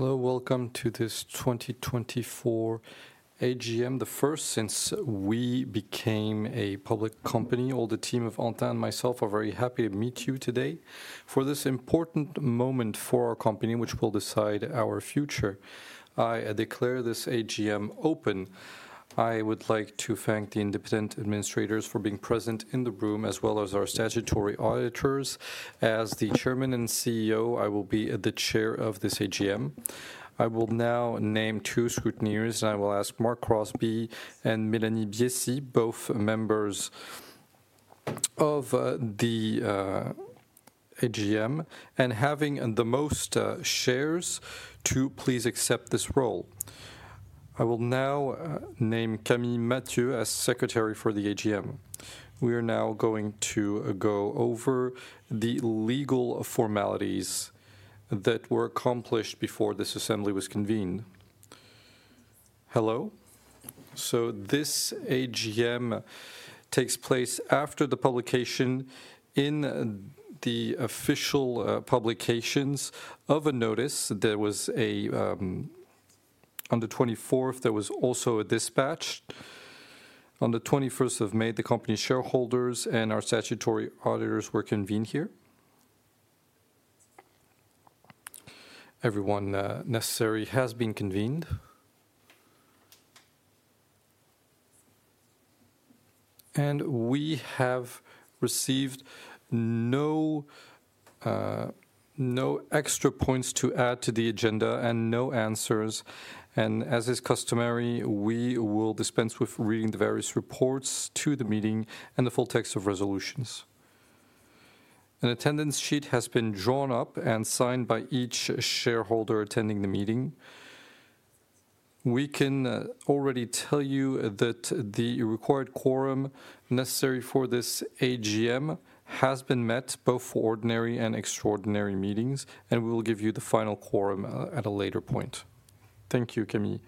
Hello, welcome to this 2024 AGM, the first since we became a public company. All the team of Antin and myself are very happy to meet you today for this important moment for our company, which will decide our future. I declare this AGM open. I would like to thank the independent administrators for being present in the room, as well as our statutory auditors. As the chairman and CEO, I will be the chair of this AGM. I will now name two scrutineers, and I will ask Mark Crosbie and Mélanie Biessy, both members of the AGM, and having the most shares, to please accept this role. I will now name Camille Mathieu as secretary for the AGM. We are now going to go over the legal formalities that were accomplished before this assembly was convened. Hello. So this AGM takes place after the publication in the official publications of a notice. On the 24th, there was also a dispatch. On the 21st of May, the company shareholders and our statutory auditors were convened here. Everyone necessary has been convened. We have received no extra points to add to the agenda and no answers, and as is customary, we will dispense with reading the various reports to the meeting and the full text of resolutions. An attendance sheet has been drawn up and signed by each shareholder attending the meeting. We can already tell you that the required quorum necessary for this AGM has been met, both for ordinary and extraordinary meetings, and we will give you the final quorum at a later point. Thank you, Camille.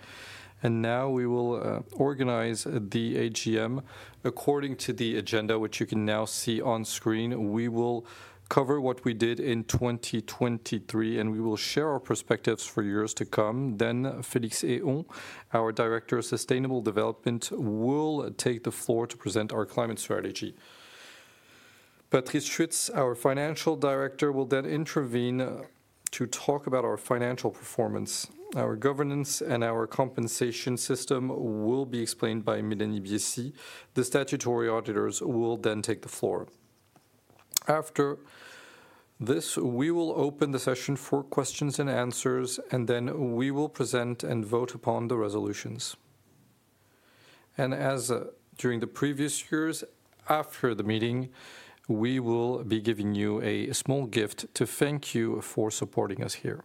Now we will organize the AGM according to the agenda, which you can now see on screen. We will cover what we did in 2023, and we will share our perspectives for years to come. Then Félix Héon, our director of sustainable development, will take the floor to present our climate strategy. Patrice Schuetz, our financial director, will then intervene to talk about our financial performance. Our governance and our compensation system will be explained by Mélanie Biessy. The statutory auditors will then take the floor. After this, we will open the session for questions and answers, and then we will present and vote upon the resolutions. As during the previous years, after the meeting, we will be giving you a small gift to thank you for supporting us here.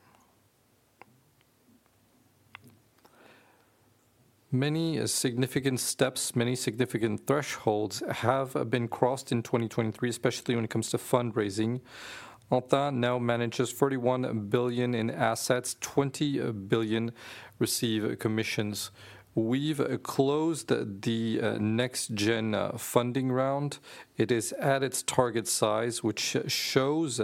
Many significant steps, many significant thresholds have been crossed in 2023, especially when it comes to fundraising. Antin now manages 41 billion in assets, 20 billion receive commissions. We've closed the NextGen funding round. It is at its target size, which shows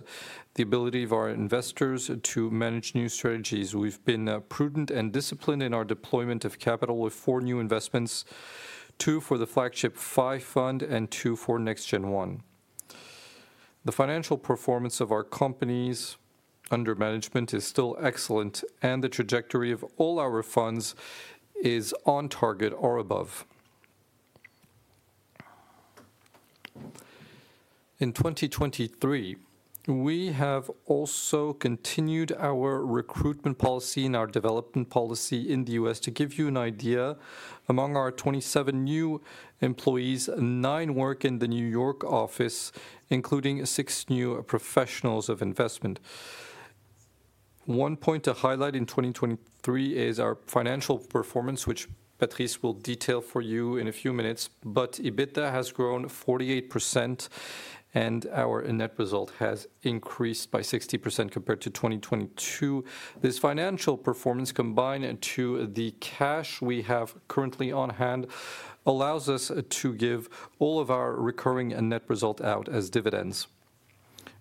the ability of our investors to manage new strategies. We've been prudent and disciplined in our deployment of capital with four new investments, two for the Flagship Fund V and two for NextGen Fund I. The financial performance of our companies under management is still excellent, and the trajectory of all our funds is on target or above. In 2023, we have also continued our recruitment policy and our development policy in the U.S. To give you an idea, among our 27 new employees, nine work in the New York office, including six new professionals of investment. One point to highlight in 2023 is our financial performance, which Patrice will detail for you in a few minutes. But EBITDA has grown 48%, and our net result has increased by 60% compared to 2022. This financial performance, combined into the cash we have currently on hand, allows us to give all of our recurring and net result out as dividends.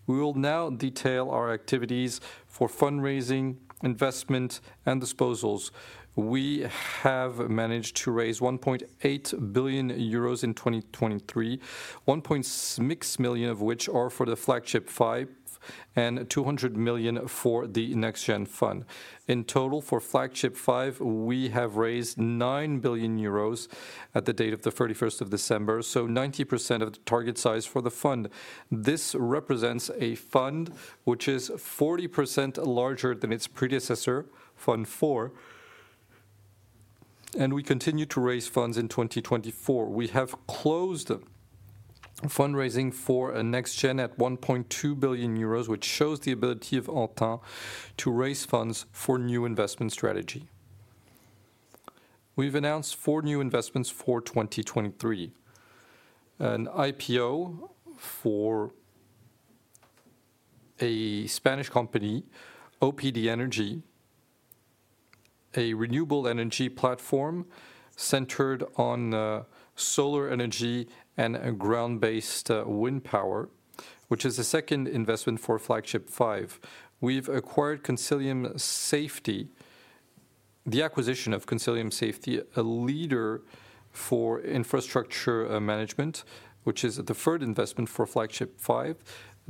We will now detail our activities for fundraising, investment, and disposals. We have managed to raise 1.8 billion euros in 2023, 1.6 billion of which are for the Flagship Fund V, and 200 million for the NextGen Fund. In total, for Flagship Fund V, we have raised 9 billion euros as of the 31st of December, so 90% of the target size for the fund. This represents a fund which is 40% larger than its predecessor, Fund IV, and we continue to raise funds in 2024. We have closed fundraising for a NextGen at 1.2 billion euros, which shows the ability of Antin to raise funds for new investment strategy. We've announced four new investments for 2023. An IPO for a Spanish company, Opdenergy, a renewable energy platform centered on solar energy and a ground-based wind power, which is the second investment for Flagship Fund V. We've acquired Consilium Safety. The acquisition of Consilium Safety, a leader for infrastructure management, which is the third investment for Flagship Fund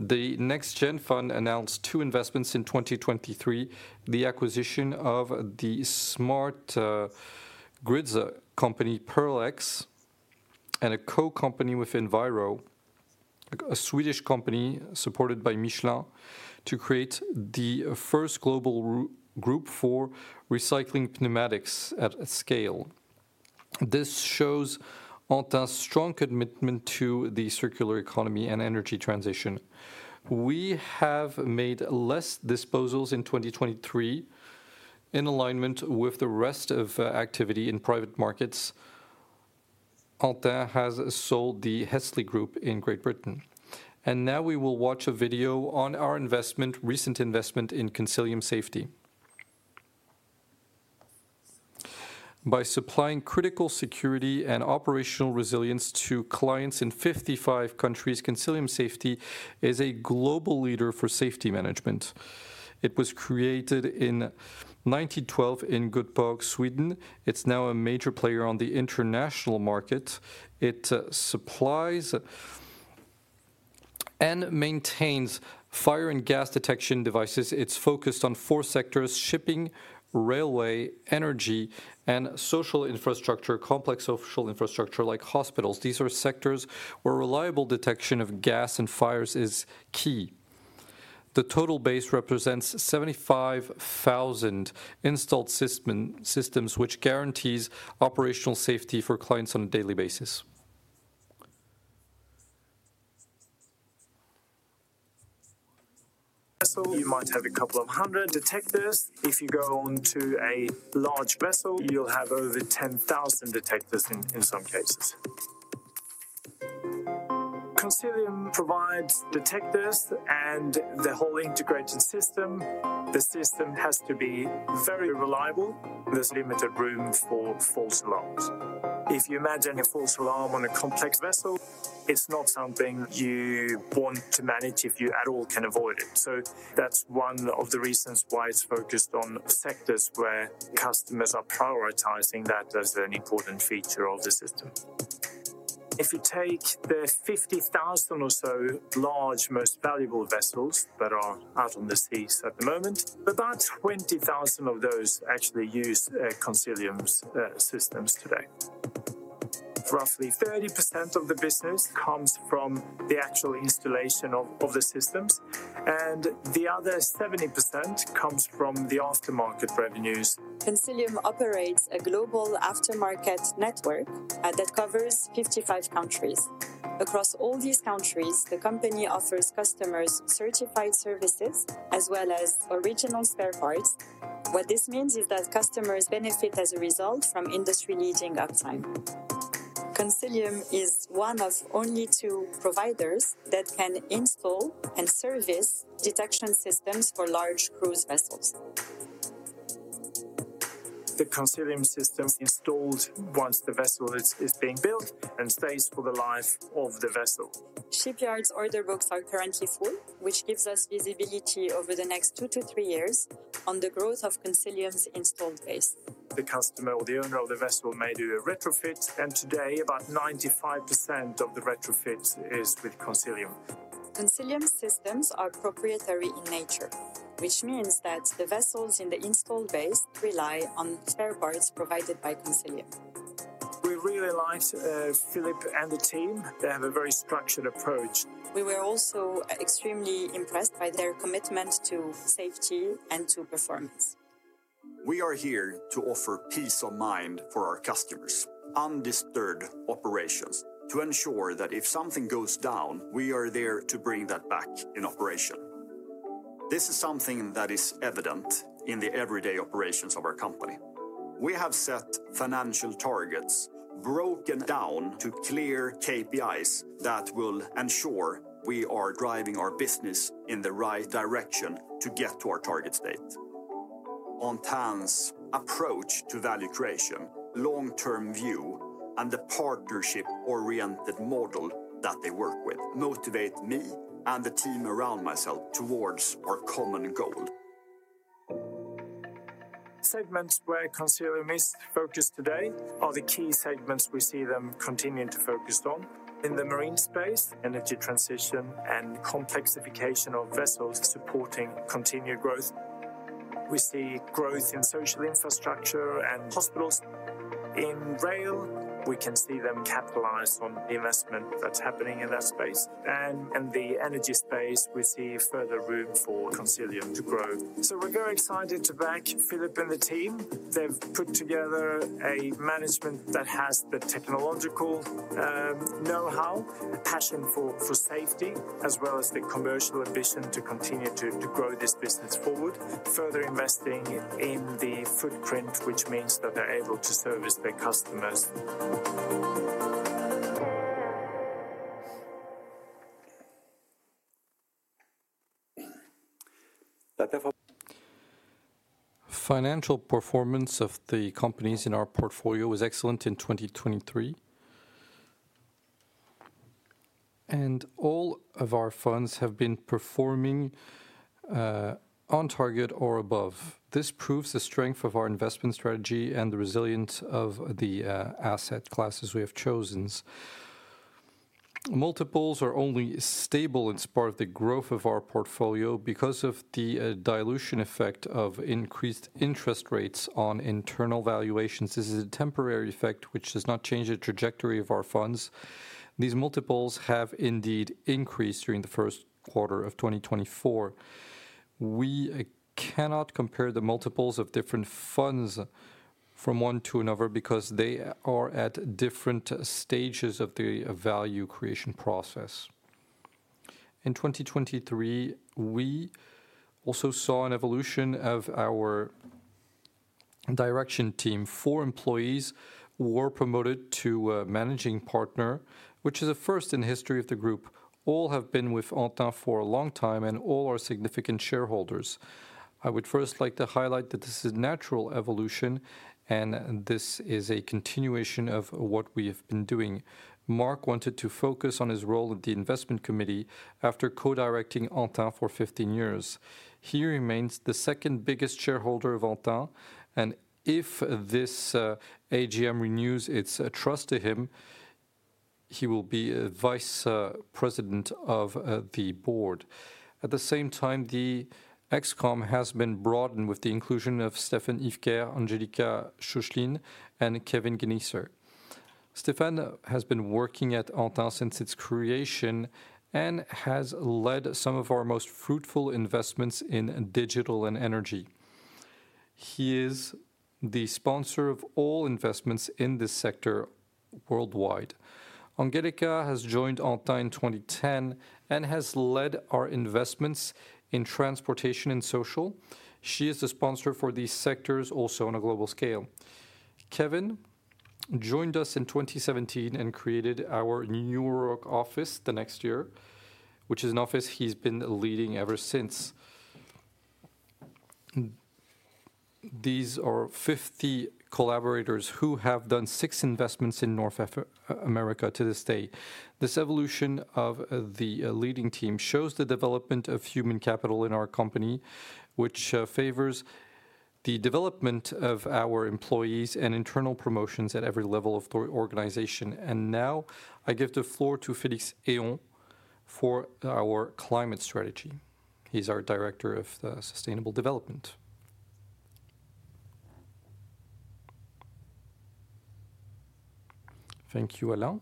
V. The NextGen Fund announced two investments in 2023: the acquisition of the smart grids company, PearlX, and a co-company with Enviro, a Swedish company supported by Michelin, to create the first global recycling group for recycling pneumatics at scale. This shows Antin's strong commitment to the circular economy and energy transition. We have made less disposals in 2023. In alignment with the rest of activity in private markets, Antin has sold the Hesley Group in Great Britain. Now we will watch a video on our recent investment in Consilium Safety. By supplying critical security and operational resilience to clients in 55 countries, Consilium Safety is a global leader for safety management. It was created in 1912 in Gothenburg, Sweden. It's now a major player on the international market. It supplies and maintains fire and gas detection devices. It's focused on four sectors: shipping, railway, energy, and social infrastructure, complex social infrastructure, like hospitals. These are sectors where reliable detection of gas and fires is key. The total base represents 75,000 installed systems, which guarantees operational safety for clients on a daily basis. So you might have 200 detectors. If you go onto a large vessel, you'll have over 10,000 detectors in some cases. Consilium provides detectors and the whole integrated system. The system has to be very reliable. There's limited room for false alarms. If you imagine a false alarm on a complex vessel, it's not something you want to manage if you at all can avoid it. So that's one of the reasons why it's focused on sectors where customers are prioritizing that as an important feature of the system. If you take the 50,000 or so large, most valuable vessels that are out on the seas at the moment, about 20,000 of those actually use Consilium's systems today. Roughly 30% of the business comes from the actual installation of the systems, and the other 70% comes from the aftermarket revenues. Consilium operates a global aftermarket network that covers 55 countries. Across all these countries, the company offers customers certified services, as well as original spare parts. What this means is that customers benefit as a result from industry-leading uptime. Consilium is one of only two providers that can install and service detection systems for large cruise vessels. The Consilium system is installed once the vessel is being built, and stays for the life of the vessel. Shipyards' order books are currently full, which gives us visibility over the next two to three years on the growth of Consilium's installed base. The customer or the owner of the vessel may do a retrofit, and today about 95% of the retrofits is with Consilium. Consilium's systems are proprietary in nature, which means that the vessels in the installed base rely on spare parts provided by Consilium. We really liked, Philip and the team. They have a very structured approach. We were also extremely impressed by their commitment to safety and to performance. We are here to offer peace of mind for our customers, undisturbed operations, to ensure that if something goes down, we are there to bring that back in operation. This is something that is evident in the everyday operations of our company. We have set financial targets, broken down to clear KPIs, that will ensure we are driving our business in the right direction to get to our target state. Antin's approach to value creation, long-term view, and the partnership-oriented model that they work with motivate me and the team around myself towards our common goal. Segments where Consilium is focused today are the key segments we see them continuing to focus on. In the marine space, energy transition and complexification of vessels supporting continued growth. We see growth in social infrastructure and hospitals. In rail, we can see them capitalize on the investment that's happening in that space. And in the energy space, we see further room for Consilium to grow. So we're very excited to back Philip and the team. They've put together a management that has the technological know-how, a passion for safety, as well as the commercial ambition to continue to grow this business forward, further investing in the footprint, which means that they're able to service their customers. ... Financial performance of the companies in our portfolio was excellent in 2023. All of our funds have been performing on target or above. This proves the strength of our investment strategy and the resilience of the asset classes we have chosen. Multiples are only stable in spite of the growth of our portfolio because of the dilution effect of increased interest rates on internal valuations. This is a temporary effect, which does not change the trajectory of our funds. These multiples have indeed increased during the first quarter of 2024. We cannot compare the multiples of different funds from one to another because they are at different stages of the value creation process. In 2023, we also saw an evolution of our direction team. Four employees were promoted to managing partner, which is a first in the history of the group. All have been with Antin for a long time, and all are significant shareholders. I would first like to highlight that this is natural evolution, and this is a continuation of what we have been doing. Mark wanted to focus on his role at the investment committee after co-directing Antin for 15 years. He remains the second biggest shareholder of Antin, and if this AGM renews its trust to him, he will be vice president of the board. At the same time, the ExCom has been broadened with the inclusion of Stéphane Ifker, Angelika Schöchlin, and Kevin Genieser. Stéphane has been working at Antin since its creation and has led some of our most fruitful investments in digital and energy. He is the sponsor of all investments in this sector worldwide. Angelika has joined Antin in 2010 and has led our investments in transportation and social. She is the sponsor for these sectors, also on a global scale. Kevin joined us in 2017 and created our New York office the next year, which is an office he's been leading ever since. These are 50 collaborators who have done 6 investments in North America to this day. This evolution of the leading team shows the development of human capital in our company, which favors the development of our employees and internal promotions at every level of the organization. And now, I give the floor to Félix Héon for our climate strategy. He's our director of sustainable development. Thank you, Alain.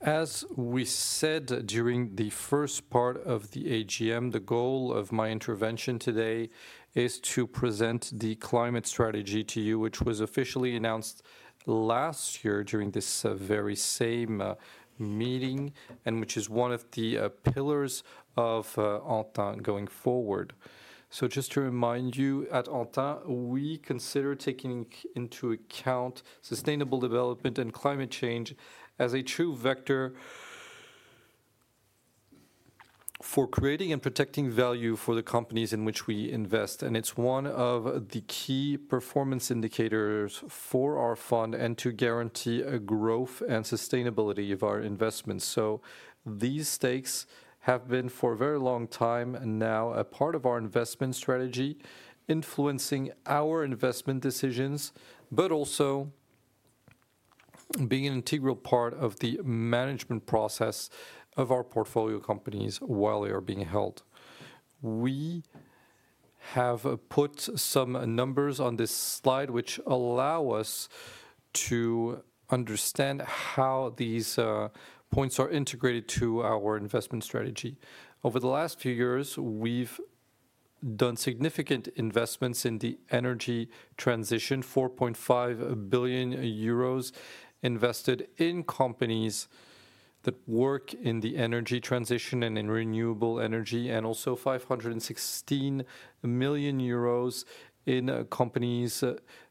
As we said during the first part of the AGM, the goal of my intervention today is to present the climate strategy to you, which was officially announced last year during this very same meeting, and which is one of the pillars of Antin going forward. So just to remind you, at Antin, we consider taking into account sustainable development and climate change as a true vector for creating and protecting value for the companies in which we invest, and it's one of the key performance indicators for our fund and to guarantee a growth and sustainability of our investments. So these stakes have been, for a very long time now, a part of our investment strategy, influencing our investment decisions, but also being an integral part of the management process of our portfolio companies while they are being held. We have put some numbers on this slide which allow us to understand how these points are integrated to our investment strategy. Over the last few years, we've done significant investments in the energy transition, 4.5 billion euros invested in companies that work in the energy transition and in renewable energy, and also 516 million euros in companies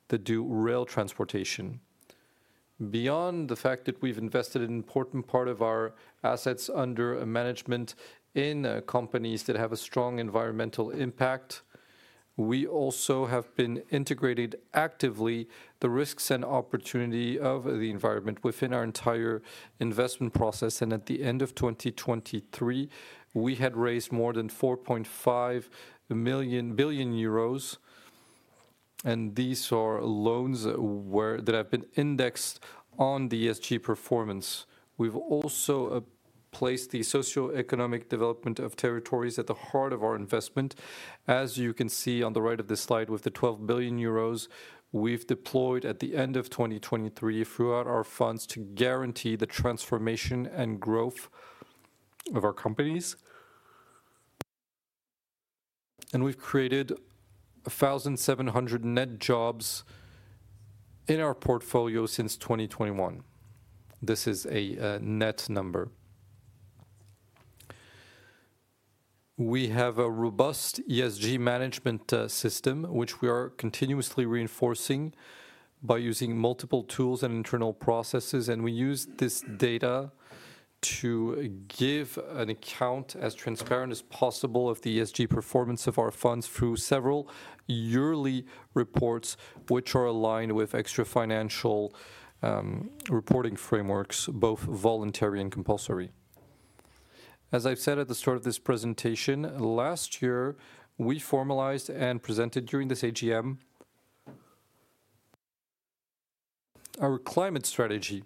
that do rail transportation. Beyond the fact that we've invested an important part of our assets under management in companies that have a strong environmental impact, we also have been integrating actively the risks and opportunity of the environment within our entire investment process. And at the end of 2023, we had raised more than 4.5 billion euros, and these are loans where that have been indexed on the ESG performance. We've also placed the socioeconomic development of territories at the heart of our investment, as you can see on the right of this slide, with the 12 billion euros we've deployed at the end of 2023 throughout our funds to guarantee the transformation and growth of our companies. And we've created 1,700 net jobs in our portfolio since 2021. This is a net number. We have a robust ESG management system, which we are continuously reinforcing by using multiple tools and internal processes, and we use this data to give an account as transparent as possible of the ESG performance of our funds through several yearly reports, which are aligned with extra financial reporting frameworks, both voluntary and compulsory. As I've said at the start of this presentation, last year, we formalized and presented during this AGM our climate strategy.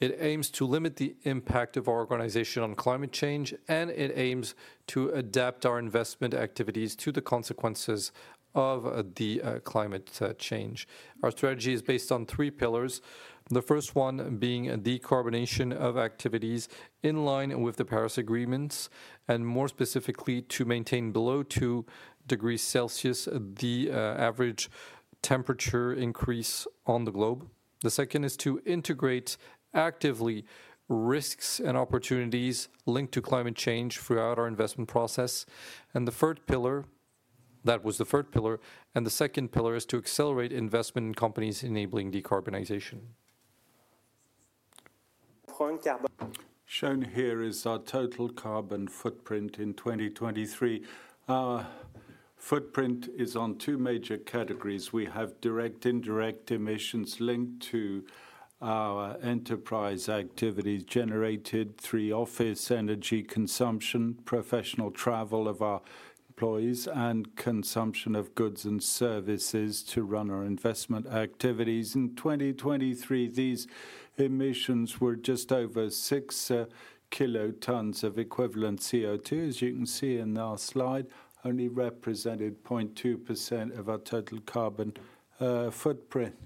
It aims to limit the impact of our organization on climate change, and it aims to adapt our investment activities to the consequences of the climate change. Our strategy is based on three pillars, the first one being decarbonization of activities in line with the Paris Agreement, and more specifically, to maintain below two degrees Celsius the average temperature increase on the globe. The second is to integrate actively risks and opportunities linked to climate change throughout our investment process. And the third pillar... That was the third pillar, and the second pillar is to accelerate investment in companies enabling decarbonization. Shown here is our total carbon footprint in 2023. Our footprint is on two major categories. We have direct, indirect emissions linked to our enterprise activities, generated through office energy consumption, professional travel of our employees, and consumption of goods and services to run our investment activities. In 2023, these emissions were just over 6 kilotons of equivalent CO2. As you can see in our slide, only represented 0.2% of our total carbon footprint.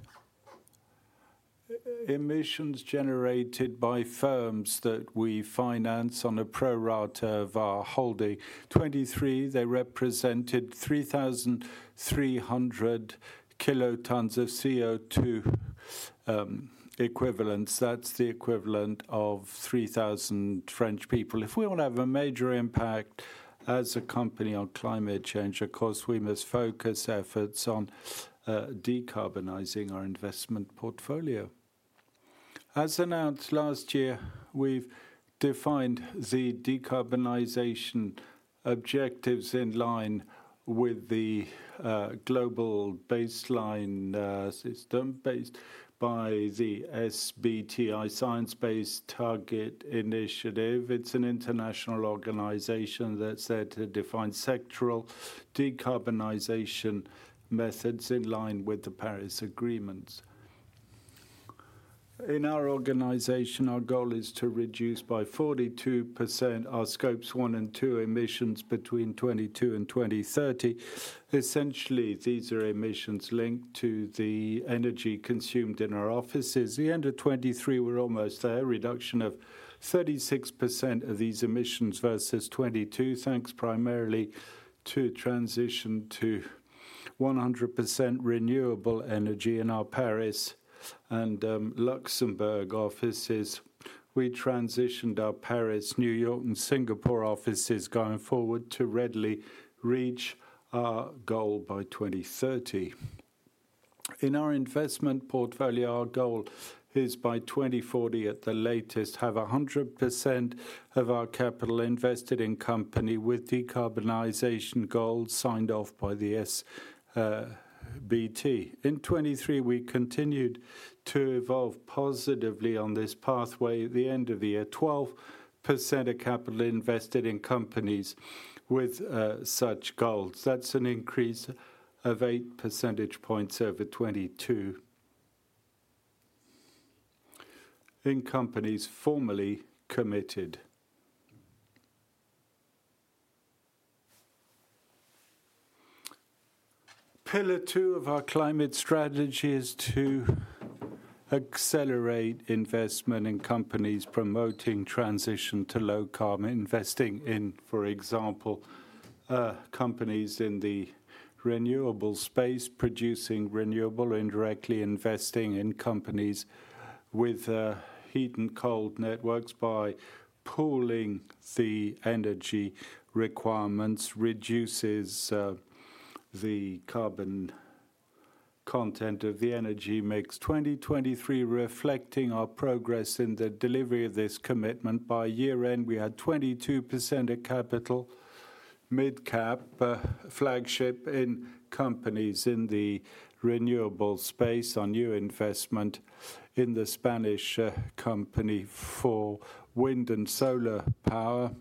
Emissions generated by firms that we finance on a pro rata of our holding. 2023, they represented 3,300 kilotons of CO2 equivalents. That's the equivalent of 3,000 French people. If we want to have a major impact as a company on climate change, of course, we must focus efforts on decarbonizing our investment portfolio. As announced last year, we've defined the decarbonization objectives in line with the global baseline system, based by the SBTi, Science Based Targets initiative. It's an international organization that's set to define sectoral decarbonization methods in line with the Paris Agreement. In our organization, our goal is to reduce by 42% our Scopes 1 and 2 emissions between 2022 and 2030. Essentially, these are emissions linked to the energy consumed in our offices. The end of 2023, we're almost there, reduction of 36% of these emissions versus 2022, thanks primarily to transition to 100% renewable energy in our Paris and Luxembourg offices. We transitioned our Paris, New York, and Singapore offices going forward to readily reach our goal by 2030. In our investment portfolio, our goal is by 2040, at the latest, have 100% of our capital invested in company with decarbonization goals signed off by the SBTi. In 2023, we continued to evolve positively on this pathway. At the end of the year, 12% of capital invested in companies with such goals. That's an increase of 8 percentage points over 2022 in companies formally committed. Pillar two of our climate strategy is to accelerate investment in companies promoting transition to low carbon, investing in, for example, companies in the renewable space, producing renewable, indirectly investing in companies with heat and cold networks by pooling the energy requirements, reduces the carbon content of the energy mix. 2023, reflecting our progress in the delivery of this commitment, by year-end, we had 22% of capital, Mid Cap, Flagship in companies in the renewable space on new investment in the Spanish company for wind and solar power,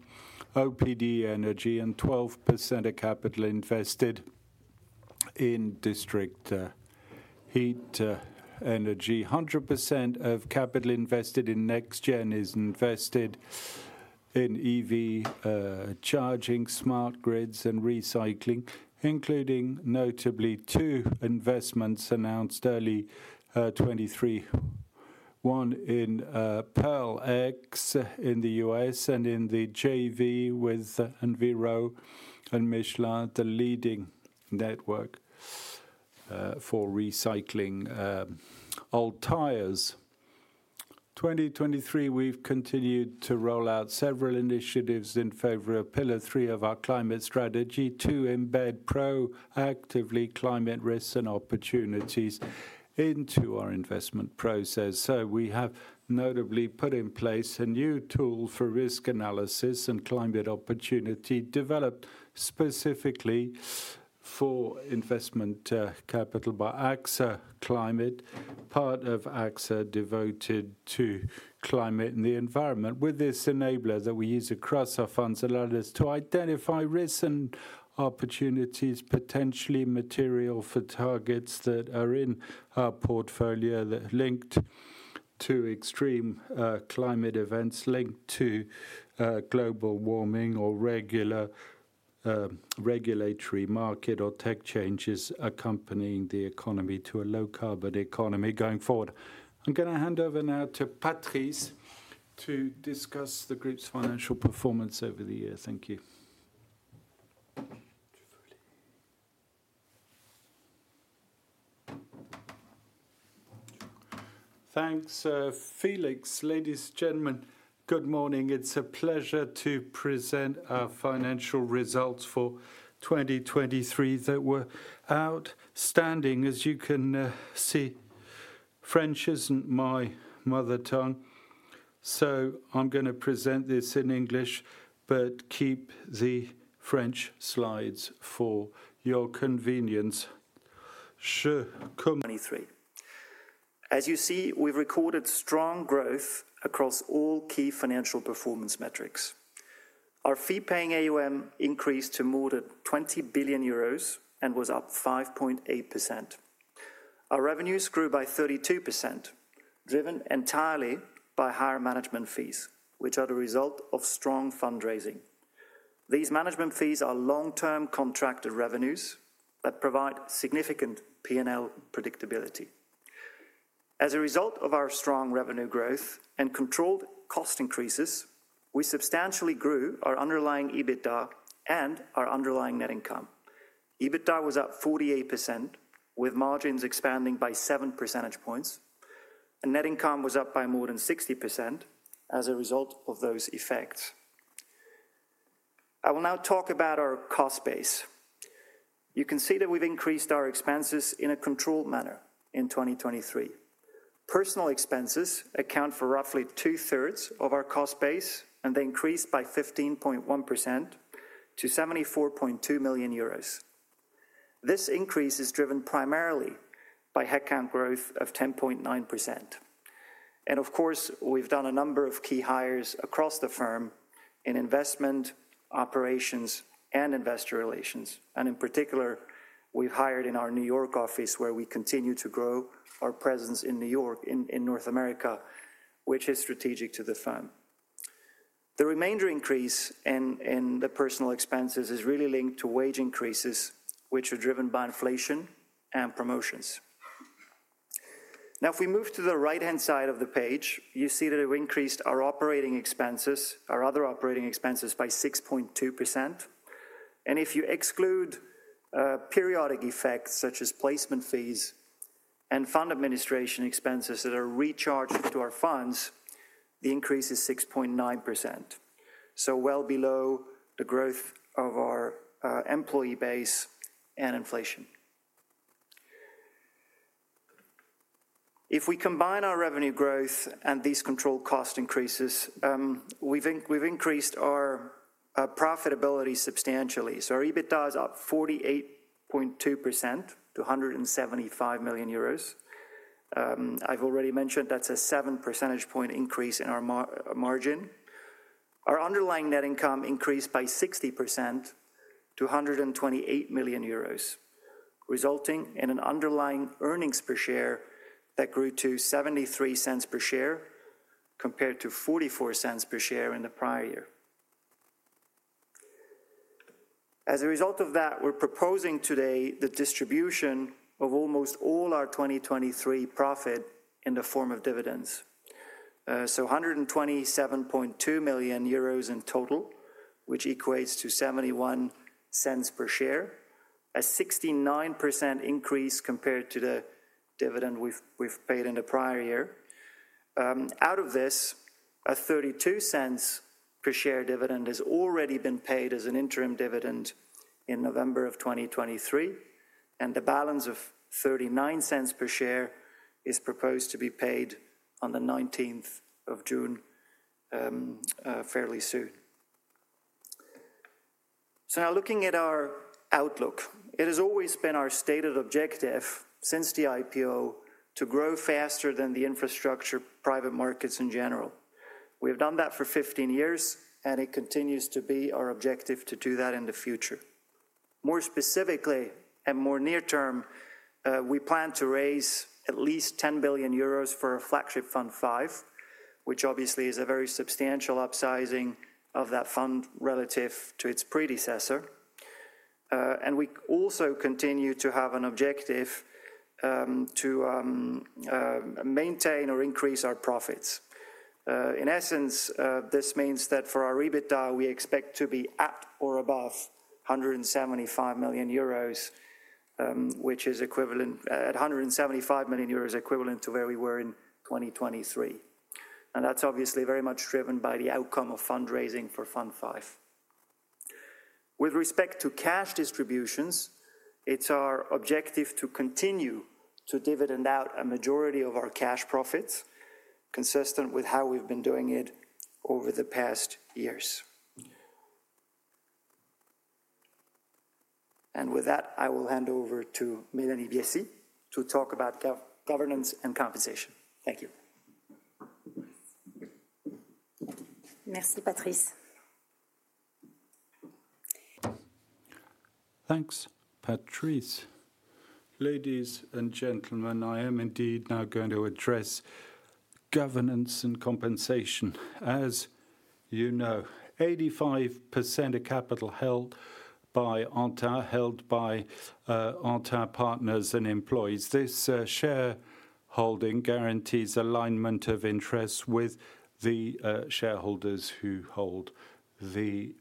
Opdenergy, and 12% of capital invested in district heat energy. 100% of capital invested in NextGen is invested in EV charging, smart grids, and recycling, including notably 2 investments announced early 2023. One in PearlX in the US and in the JV with Enviro and Michelin, the leading network for recycling old tires. 2023, we've continued to roll out several initiatives in favor of Pillar three of our climate strategy to embed proactively climate risks and opportunities into our investment process. So we have notably put in place a new tool for risk analysis and climate opportunity, developed specifically for investment capital by AXA Climate, part of AXA devoted to climate and the environment. With this enabler that we use across our funds, allowed us to identify risks and opportunities, potentially material for targets that are in our portfolio, that linked to extreme climate events, linked to global warming or regular regulatory market or tech changes accompanying the economy to a low-carbon economy going forward. I'm gonna hand over now to Patrice to discuss the group's financial performance over the years. Thank you. Thanks, Felix. Ladies and gentlemen, good morning. It's a pleasure to present our financial results for 2023 that were outstanding, as you can see. French isn't my mother tongue, so I'm gonna present this in English, but keep the French slides for your convenience. 2023. As you see, we've recorded strong growth across all key financial performance metrics. Our fee-paying AUM increased to more than 20 billion euros and was up 5.8%. Our revenues grew by 32%, driven entirely by higher management fees, which are the result of strong fundraising. These management fees are long-term contracted revenues that provide significant P&L predictability. As a result of our strong revenue growth and controlled cost increases, we substantially grew our underlying EBITDA and our underlying net income. EBITDA was up 48%, with margins expanding by seven percentage points, and net income was up by more than 60% as a result of those effects. I will now talk about our cost base. You can see that we've increased our expenses in a controlled manner in 2023. Personal expenses account for roughly two-thirds of our cost base, and they increased by 15.1% to 74.2 million euros. This increase is driven primarily by headcount growth of 10.9%. Of course, we've done a number of key hires across the firm in investment, operations, and investor relations, and in particular, we've hired in our New York office, where we continue to grow our presence in New York, in North America, which is strategic to the firm. The remainder increase in the personal expenses is really linked to wage increases, which are driven by inflation and promotions. Now, if we move to the right-hand side of the page, you see that we've increased our operating expenses, our other operating expenses, by 6.2%. And if you exclude periodic effects, such as placement fees and fund administration expenses that are recharged to our funds, the increase is 6.9%, so well below the growth of our employee base and inflation. If we combine our revenue growth and these controlled cost increases, we've increased our profitability substantially. So our EBITDA is up 48.2% to 175 million euros. I've already mentioned that's a seven percentage point increase in our margin. Our underlying net income increased by 60% to 128 million euros, resulting in an underlying earnings per share that grew to 73 cents per share, compared to 44 cents per share in the prior year. As a result of that, we're proposing today the distribution of almost all our 2023 profit in the form of dividends. So 127.2 million euros in total, which equates to 0.71 EUR per share, a 69% increase compared to the dividend we've paid in the prior year. Out of this, a 0.32 EUR per share dividend has already been paid as an interim dividend in November of 2023, and the balance of 0.39 EUR per share is proposed to be paid on the nineteenth of June, fairly soon. So now looking at our outlook, it has always been our stated objective since the IPO / OPA, to grow faster than the infrastructure private markets in general. We have done that for 15 years, and it continues to be our objective to do that in the future. More specifically, and more near-term, we plan to raise at least 10 billion euros for our Flagship Fund V, which obviously is a very substantial upsizing of that fund relative to its predecessor. And we also continue to have an objective to maintain or increase our profits. In essence, this means that for our EBITDA, we expect to be at or above 175 million euros, which is equivalent at 175 million euros, equivalent to where we were in 2023. And that's obviously very much driven by the outcome of fundraising for Fund V. With respect to cash distributions, it's our objective to continue to dividend out a majority of our cash profits, consistent with how we've been doing it over the past years. With that, I will hand over to Mélanie Biessy to talk about governance and compensation. Thank you. Merci, Patrice. Thanks, Patrice. Ladies and gentlemen, I am indeed now going to address governance and compensation. As you know, 85% of capital held by Antin, held by Antin partners and employees. This shareholding guarantees alignment of interests with the shareholders who hold the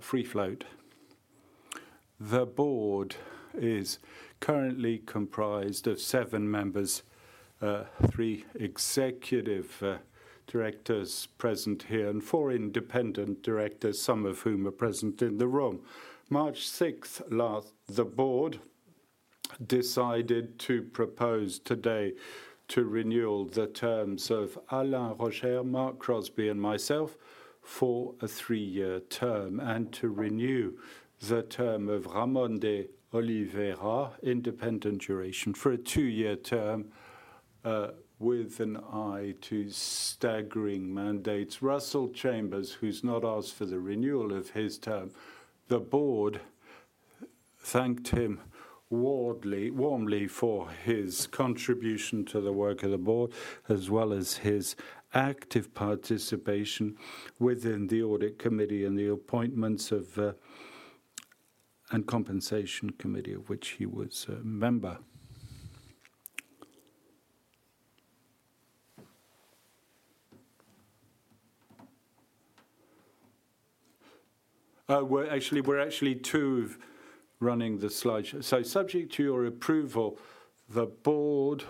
free float. The board is currently comprised of 7 members, 3 executive directors present here, and 4 independent directors, some of whom are present in the room. March 6 last, the board decided to propose today to renew the terms of Alain Rauscher, Mark Crosbie, and myself for a 3-year term, and to renew the term of Ramon de Oliveira, independent director, for a 2-year term with an eye to staggering mandates. Russell Chambers, who's not asked for the renewal of his term, the board thanked him warmly for his contribution to the work of the board, as well as his active participation within the audit committee and the appointments and compensation committee, of which he was a member. We're actually, we're actually to running the slideshow. So subject to your approval, the board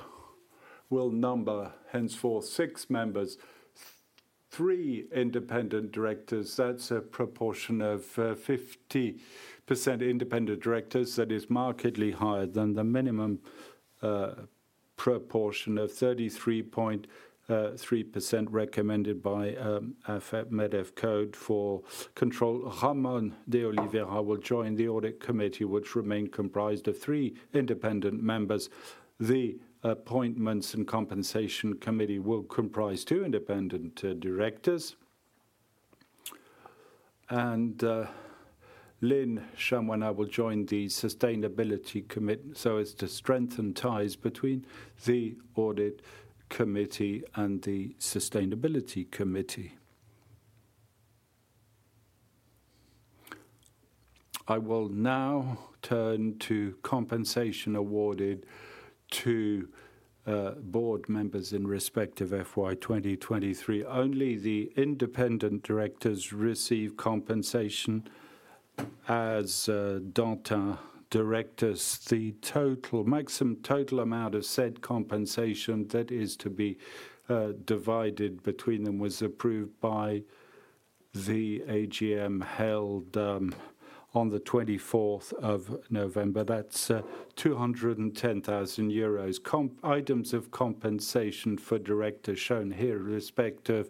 will number henceforth six members, three independent directors. That's a proportion of 50% independent directors. That is markedly higher than the minimum proportion of 33.3% recommended by the AFEP-MEDEF Code for control. Ramon de Oliveira will join the audit committee, which remain comprised of three independent members. The appointments and compensation committee will comprise two independent directors. Lynne Shamwana will join the sustainability committee, so as to strengthen ties between the audit committee and the sustainability committee. I will now turn to compensation awarded to board members in respect of FY 2023. Only the independent directors receive compensation as Antin directors. The total, maximum total amount of said compensation that is to be divided between them was approved by the AGM, held on the twenty-fourth of November. That's 210,000 euros. Compensation items of compensation for directors shown here in respect of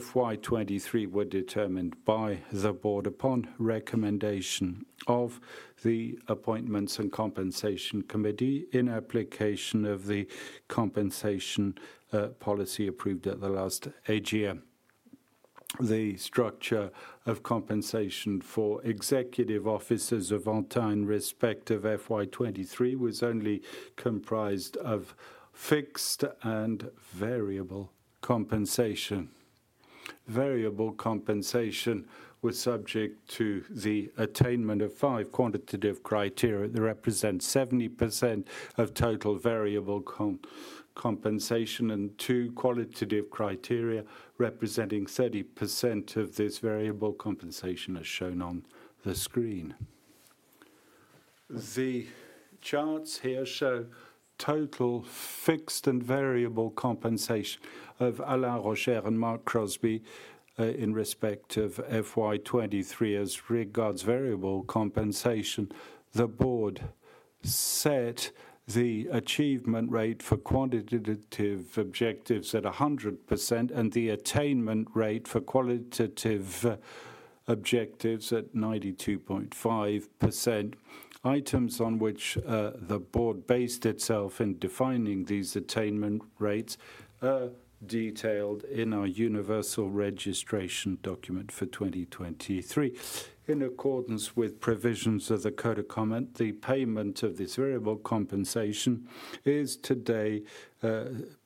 FY 2023 were determined by the board upon recommendation of the appointments and compensation committee in application of the compensation policy approved at the last AGM. The structure of compensation for executive officers of Antin in respect of FY 2023 was only comprised of fixed and variable compensation. Variable compensation was subject to the attainment of five quantitative criteria that represent 70% of total variable compensation, and two qualitative criteria, representing 30% of this variable compensation, as shown on the screen. The charts here show total fixed and variable compensation of Alain Rauscher and Mark Crosbie in respect of FY 2023. As regards variable compensation, the board set the achievement rate for quantitative objectives at 100%, and the attainment rate for qualitative objectives at 92.5%. Items on which the board based itself in defining these attainment rates are detailed in our Universal Registration Document for 2023. In accordance with provisions of the Code of Commerce, the payment of this variable compensation is today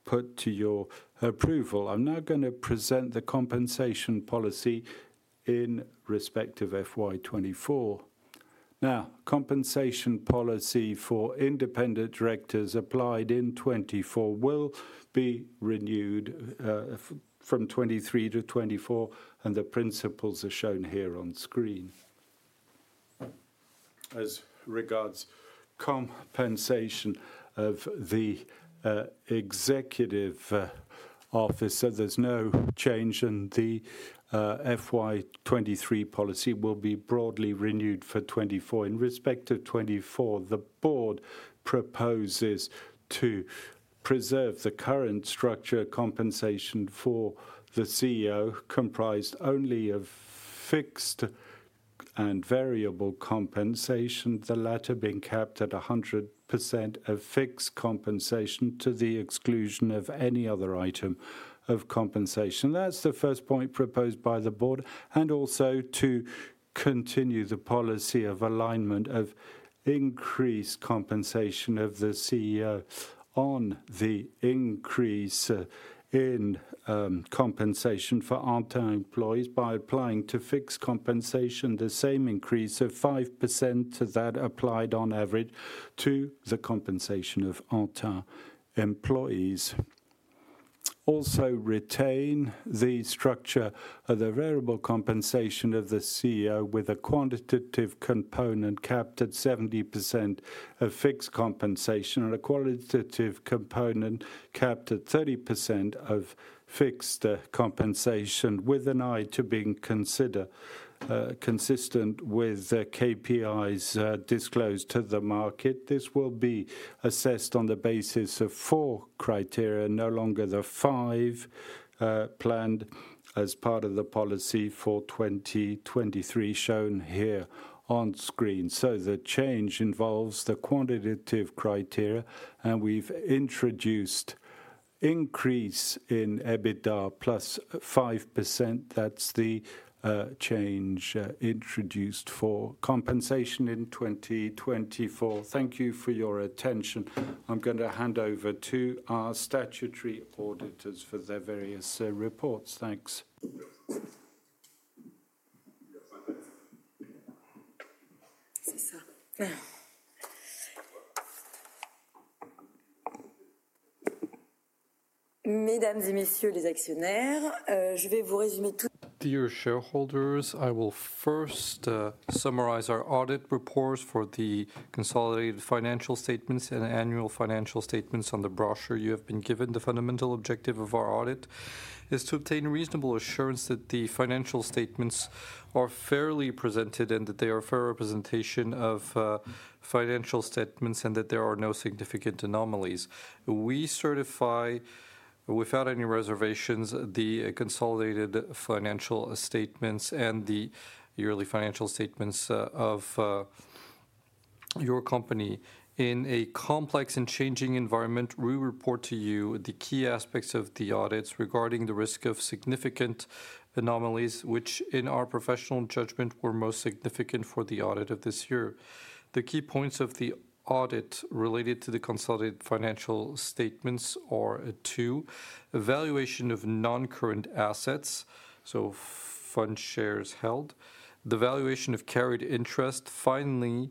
put to your approval. I'm now going to present the compensation policy in respect of FY 2024. Now, compensation policy for independent directors applied in 2024 will be renewed from 2023 to 2024, and the principles are shown here on screen. As regards compensation of the executive officer, there's no change, and the FY 2023 policy will be broadly renewed for 2024. In respect to 2024, the board proposes to preserve the current structure compensation for the CEO, comprised only of fixed and variable compensation, the latter being capped at 100% of fixed compensation, to the exclusion of any other item of compensation. That's the first point proposed by the board, and also to continue the policy of alignment of increased compensation of the CEO on the increase in compensation for Antin employees by applying to fixed compensation the same increase of 5% to that applied on average to the compensation of Antin employees. Also, retain the structure of the variable compensation of the CEO with a quantitative component capped at 70% of fixed compensation and a qualitative component capped at 30% of fixed compensation, with an eye to being considered consistent with the KPIs disclosed to the market. This will be assessed on the basis of four criteria, no longer the five planned as part of the policy for 2023, shown here on screen. So the change involves the quantitative criteria, and we've introduced increase in EBITDA plus 5%. That's the change introduced for compensation in 2024. Thank you for your attention. I'm going to hand over to our statutory auditors for their various reports. Thanks. Dear shareholders, I will first summarize our audit reports for the consolidated financial statements and annual financial statements on the brochure you have been given. The fundamental objective of our audit is to obtain reasonable assurance that the financial statements are fairly presented and that they are a fair representation of financial statements, and that there are no significant anomalies. We certify, without any reservations, the consolidated financial statements and the yearly financial statements of your company. In a complex and changing environment, we report to you the key aspects of the audits regarding the risk of significant anomalies, which, in our professional judgment, were most significant for the audit of this year. The key points of the audit related to the consolidated financial statements are two: valuation of non-current assets, so fund shares held. The valuation of carried interest. Finally,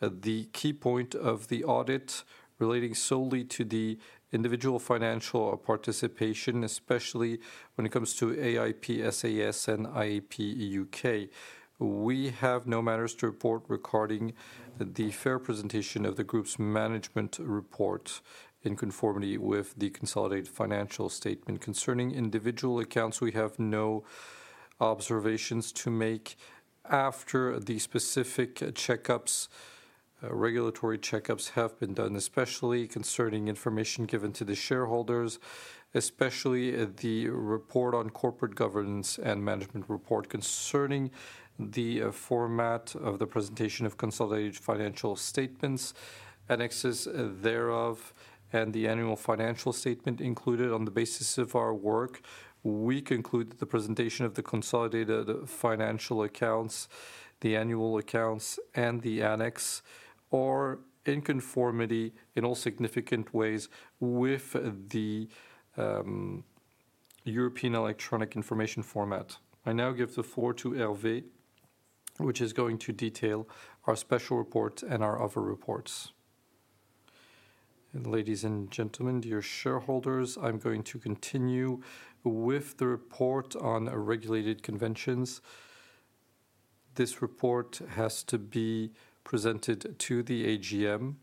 the key point of the audit relating solely to the individual financial participation, especially when it comes to AIP SAS and AIP UK. We have no matters to report regarding the fair presentation of the group's management report in conformity with the consolidated financial statement. Concerning individual accounts, we have no observations to make after the specific checkups, regulatory checkups have been done, especially concerning information given to the shareholders, especially at the report on corporate governance and management report. Concerning the format of the presentation of consolidated financial statements, annexes thereof, and the annual financial statement included on the basis of our work, we conclude that the presentation of the consolidated financial accounts, the annual accounts, and the annex are in conformity in all significant ways with the European electronic information format. I now give the floor to Hervé, which is going to detail our special reports and our other reports. Ladies and gentlemen, dear shareholders, I'm going to continue with the report on regulated conventions. This report has to be presented to the AGM.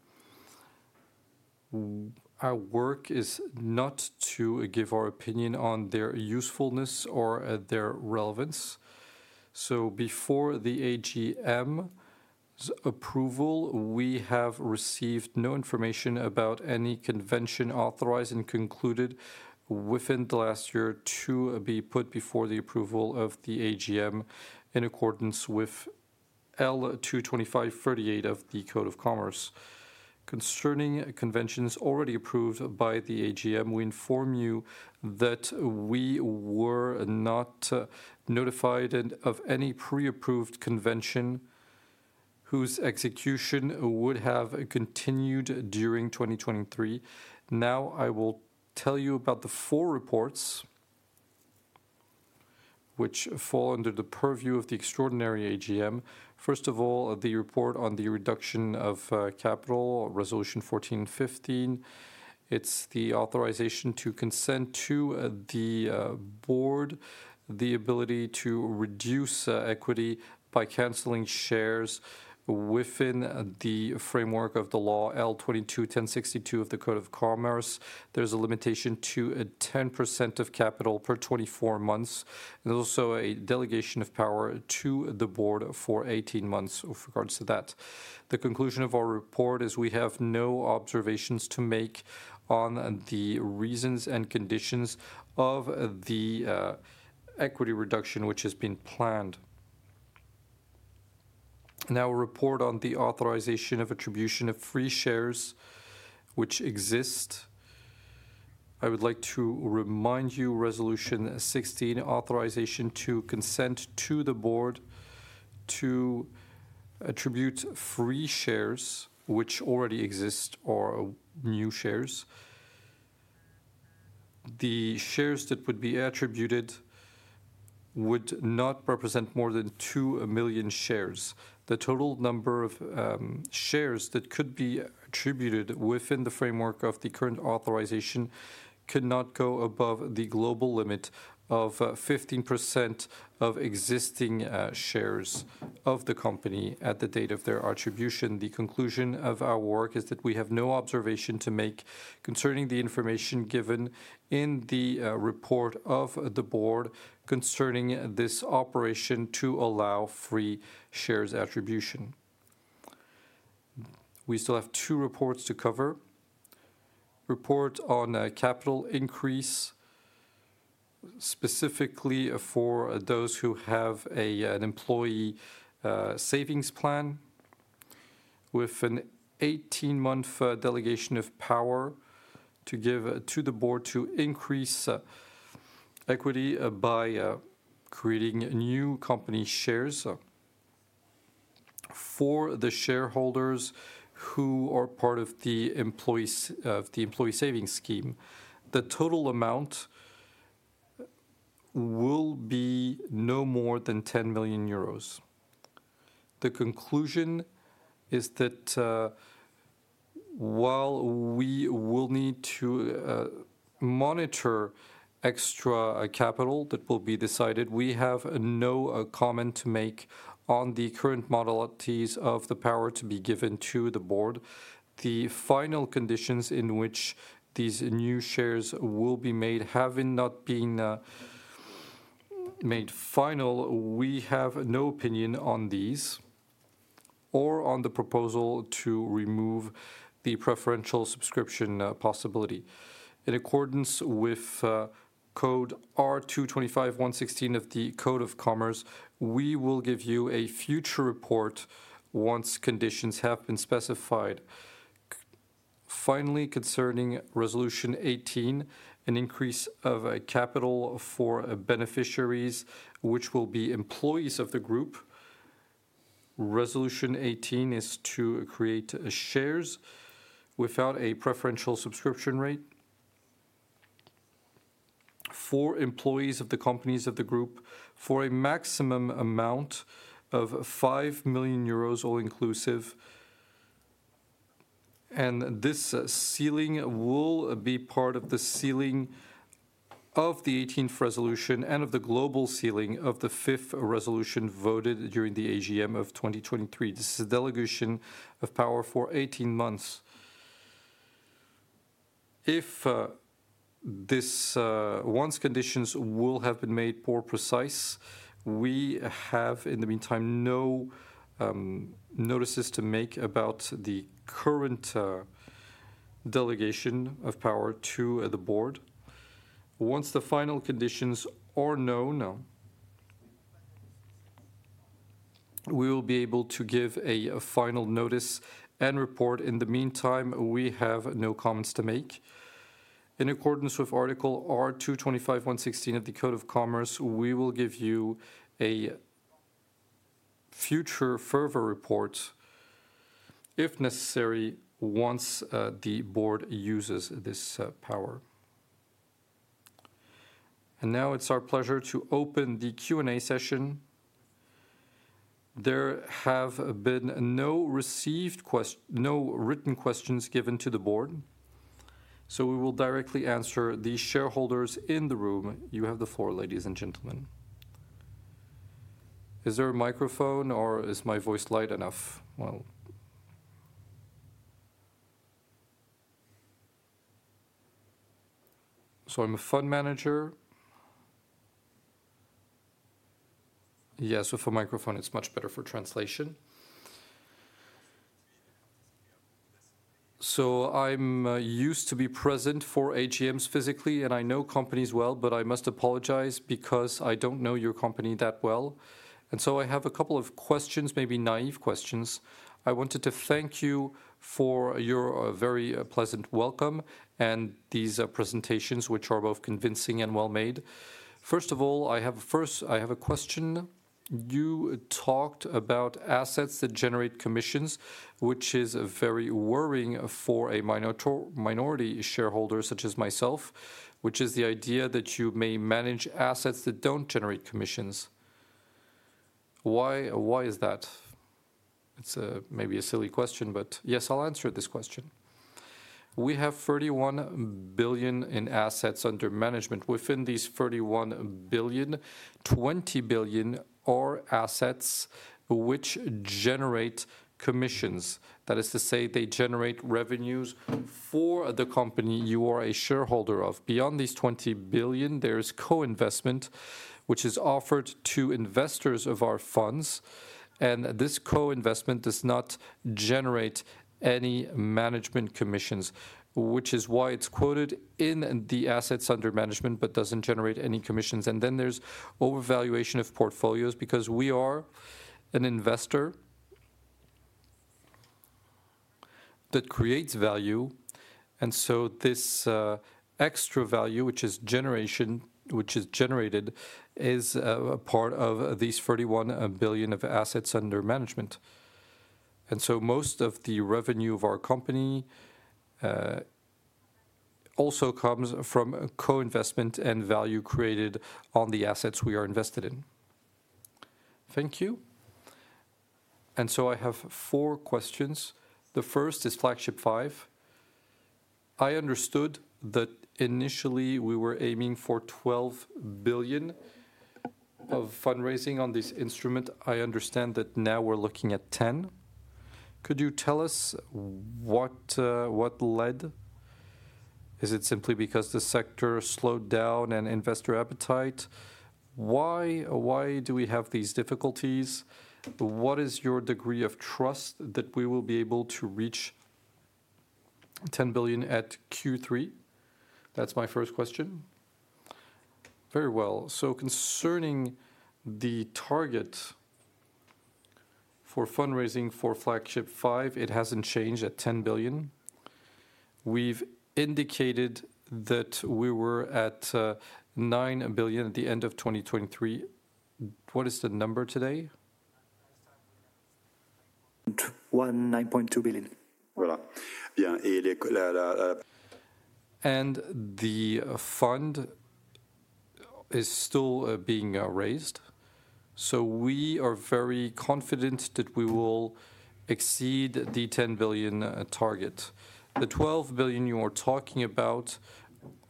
Our work is not to give our opinion on their usefulness or their relevance. So before the AGM's approval, we have received no information about any convention authorized and concluded within the last year to be put before the approval of the AGM, in accordance with L-225-38 of the Code of Commerce. Concerning conventions already approved by the AGM, we inform you that we were not notified of any pre-approved convention whose execution would have continued during 2023. Now, I will tell you about the four reports... which fall under the purview of the extraordinary AGM. First of all, the report on the reduction of capital, Resolution 14-15. It's the authorization to consent to the board, the ability to reduce equity by canceling shares within the framework of the law, L-22-1062 of the Code of Commerce. There's a limitation to a 10% of capital per 24 months, and also a delegation of power to the board for 18 months with regards to that. The conclusion of our report is, we have no observations to make on the reasons and conditions of the equity reduction, which has been planned. Now, a report on the authorization of attribution of free shares which exist. I would like to remind you, Resolution 16, authorization to consent to the board to attribute free shares which already exist or new shares. The shares that would be attributed would not represent more than 2 million shares. The total number of shares that could be attributed within the framework of the current authorization cannot go above the global limit of 15% of existing shares of the company at the date of their attribution. The conclusion of our work is that we have no observation to make concerning the information given in the report of the board concerning this operation to allow free shares attribution. We still have two reports to cover. Report on capital increase, specifically for those who have an employee savings plan, with an 18-month delegation of power to give to the board to increase equity by creating new company shares for the shareholders who are part of the employee savings scheme. The total amount will be no more than 10 million euros. The conclusion is that, while we will need to monitor extra capital that will be decided, we have no comment to make on the current modalities of the power to be given to the board. The final conditions in which these new shares will be made, having not been made final, we have no opinion on these or on the proposal to remove the preferential subscription possibility. In accordance with code R225-116 of the Code of Commerce, we will give you a future report once conditions have been specified. Finally, concerning Resolution 18, an increase of a capital for beneficiaries, which will be employees of the group. Resolution 18 is to create shares without a preferential subscription rate for employees of the companies of the group, for a maximum amount of 5 million euros, all inclusive. This ceiling will be part of the ceiling of the eighteenth resolution and of the global ceiling of the fifth resolution voted during the AGM of 2023. This is a delegation of power for 18 months. Once conditions will have been made more precise, we have, in the meantime, no notices to make about the current delegation of power to the board. Once the final conditions are known, we will be able to give a final notice and report. In the meantime, we have no comments to make. In accordance with Article R225-116 of the Code of Commerce, we will give you a future further report, if necessary, once the board uses this power. And now it's our pleasure to open the Q&A session. There have been no written questions given to the board, so we will directly answer the shareholders in the room. You have the floor, ladies and gentlemen. Is there a microphone or is my voice loud enough? Well... So I'm a fund manager. Yes, with a microphone, it's much better for translation. So I'm used to be present for AGMs physically, and I know companies well, but I must apologize because I don't know your company that well. And so I have a couple of questions, maybe naive questions. I wanted to thank you for your very pleasant welcome, and these presentations, which are both convincing and well-made. First of all, I have... First, I have a question-... You talked about assets that generate commissions, which is very worrying for a minority shareholder, such as myself, which is the idea that you may manage assets that don't generate commissions. Why, why is that? It's maybe a silly question. Yes, I'll answer this question. We have 31 billion in assets under management. Within these 31 billion, 20 billion are assets which generate commissions. That is to say, they generate revenues for the company you are a shareholder of. Beyond these 20 billion, there is co-investment, which is offered to investors of our funds, and this co-investment does not generate any management commissions, which is why it's quoted in the assets under management but doesn't generate any commissions. Then there's overvaluation of portfolios, because we are an investor that creates value, and so this, extra value, which is generation, which is generated, is, a part of these 31 billion of assets under management. And so most of the revenue of our company, also comes from co-investment and value created on the assets we are invested in. Thank you. And so I have four questions. The first is Flagship Five. I understood that initially we were aiming for 12 billion of fundraising on this instrument. I understand that now we're looking at ten. Could you tell us what, what led? Is it simply because the sector slowed down and investor appetite? Why, why do we have these difficulties? What is your degree of trust that we will be able to reach 10 billion at Q3? That's my first question. Very well. Concerning the target for fundraising for Flagship Five, it hasn't changed at 10 billion. We've indicated that we were at 9 billion at the end of 2023. What is the number today? EUR 9.2 billion. And the fund is still being raised, so we are very confident that we will exceed the 10 billion target. The 12 billion you are talking about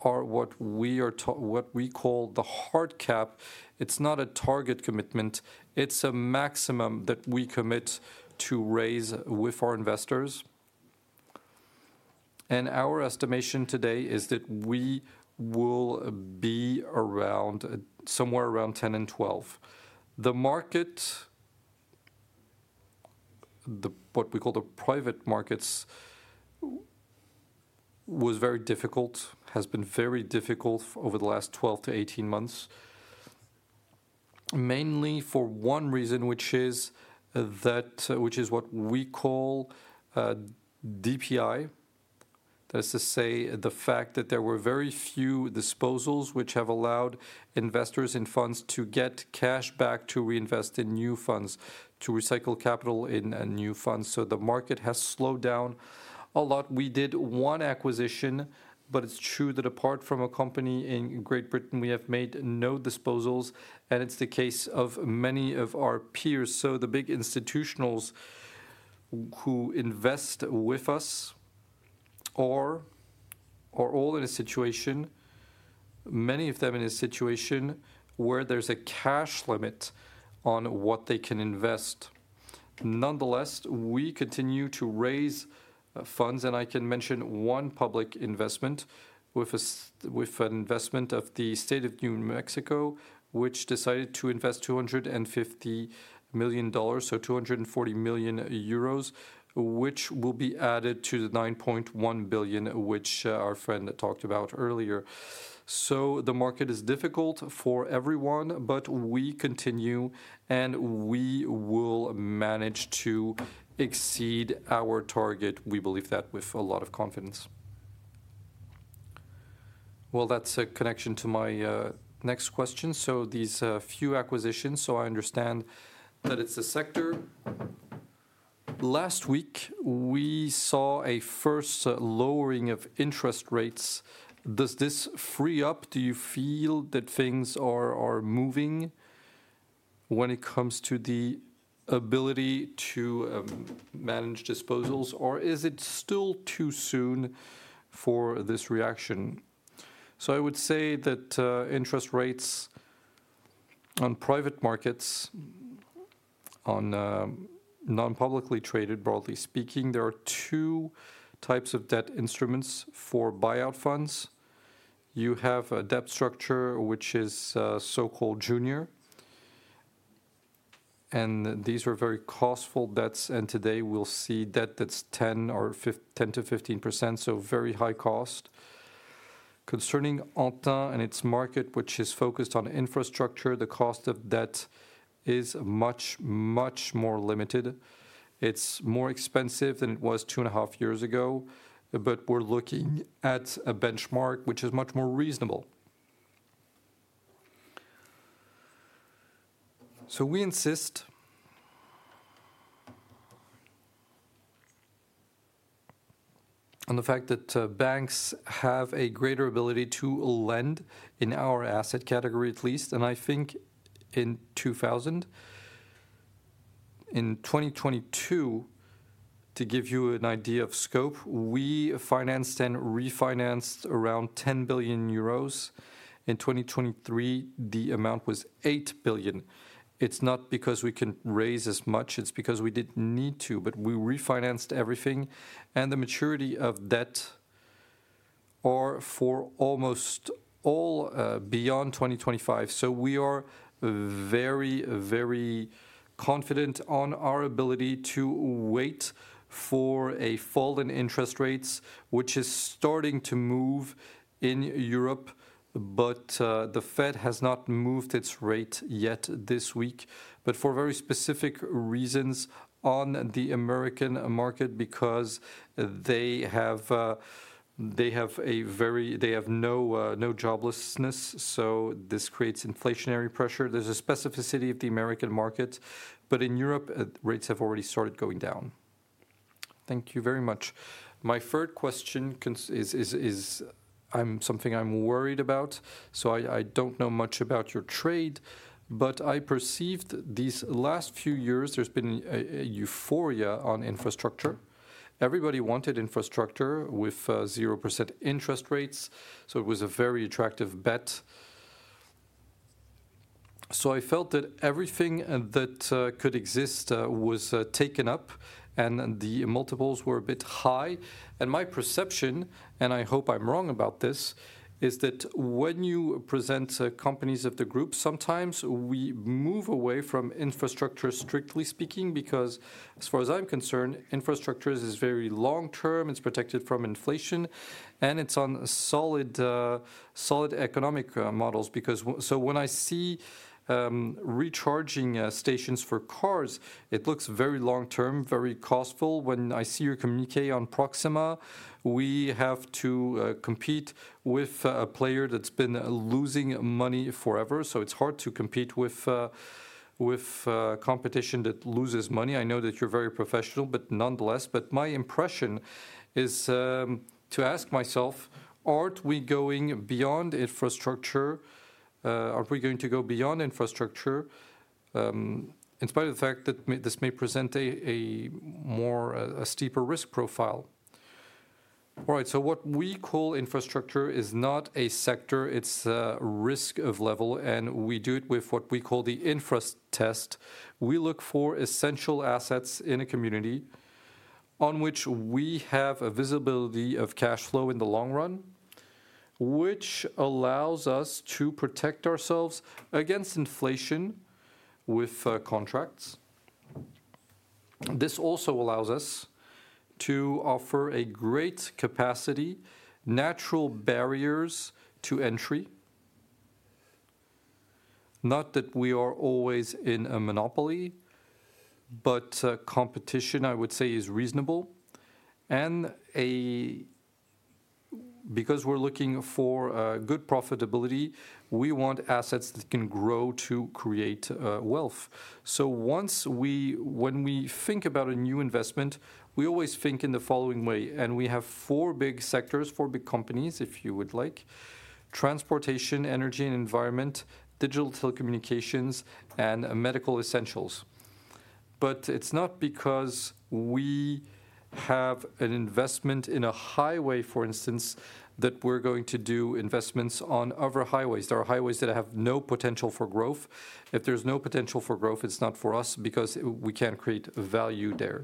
are what we call the hard cap. It's not a target commitment, it's a maximum that we commit to raise with our investors. And our estimation today is that we will be around, somewhere around 10 and 12. The market, the what we call the private markets, was very difficult, has been very difficult over the last 12-18 months, mainly for one reason, which is that, which is what we call DPI. That is to say, the fact that there were very few disposals which have allowed investors in funds to get cash back to reinvest in new funds, to recycle capital in new funds, so the market has slowed down a lot. We did one acquisition, but it's true that apart from a company in Great Britain, we have made no disposals, and it's the case of many of our peers. So the big institutionals who invest with us are, are all in a situation, many of them in a situation, where there's a cash limit on what they can invest. Nonetheless, we continue to raise funds, and I can mention one public investment with an investment of the state of New Mexico, which decided to invest $250 million, so 240 million euros, which will be added to the 9.1 billion, which our friend talked about earlier. So the market is difficult for everyone, but we continue, and we will manage to exceed our target. We believe that with a lot of confidence. Well, that's a connection to my next question. So these few acquisitions, so I understand that it's a sector. Last week, we saw a first lowering of interest rates. Does this free up? Do you feel that things are moving when it comes to the ability to manage disposals, or is it still too soon for this reaction? So I would say that interest rates on private markets on non-publicly traded, broadly speaking, there are two types of debt instruments for buyout funds. You have a debt structure, which is so-called junior, and these are very costful debts, and today we'll see debt that's 10%-15%, so very high cost. Concerning Antin and its market, which is focused on infrastructure, the cost of debt is much, much more limited. It's more expensive than it was 2.5 years ago, but we're looking at a benchmark which is much more reasonable. So we insist on the fact that banks have a greater ability to lend in our asset category, at least, than I think in 2000. In 2022, to give you an idea of scope, we financed and refinanced around 10 billion euros. In 2023, the amount was 8 billion. It's not because we can raise as much, it's because we didn't need to, but we refinanced everything, and the maturity of debt are for almost all beyond 2025. So we are very, very confident on our ability to wait for a fall in interest rates, which is starting to move in Europe, but the Fed has not moved its rate yet this week. But for very specific reasons on the American market, because they have no joblessness, so this creates inflationary pressure. There's a specificity of the American market, but in Europe rates have already started going down. Thank you very much. My third question is something I'm worried about. So I don't know much about your trade, but I perceived these last few years, there's been a euphoria on infrastructure. Everybody wanted infrastructure with 0% interest rates, so it was a very attractive bet. So I felt that everything that could exist was taken up, and the multiples were a bit high. And my perception, and I hope I'm wrong about this, is that when you present companies of the group, sometimes we move away from infrastructure, strictly speaking, because as far as I'm concerned, infrastructure is very long-term, it's protected from inflation, and it's on solid economic models. So when I see recharging stations for cars, it looks very long-term, very costful. When I see your communiqué on Proxima, we have to compete with a player that's been losing money forever. So it's hard to compete with competition that loses money. I know that you're very professional, but nonetheless. But my impression is to ask myself, aren't we going beyond infrastructure? Are we going to go beyond infrastructure in spite of the fact that this may present a steeper risk profile? All right, so what we call infrastructure is not a sector, it's a risk level, and we do it with what we call the Infra Test. We look for essential assets in a community on which we have a visibility of cash flow in the long run, which allows us to protect ourselves against inflation with contracts. This also allows us to offer a great capacity, natural barriers to entry. Not that we are always in a monopoly, but, competition, I would say, is reasonable. And because we're looking for, good profitability, we want assets that can grow to create, wealth. So when we think about a new investment, we always think in the following way, and we have four big sectors, four big companies, if you would like: transportation, energy and environment, digital telecommunications, and medical essentials. But it's not because we have an investment in a highway, for instance, that we're going to do investments on other highways. There are highways that have no potential for growth. If there's no potential for growth, it's not for us, because we can't create value there.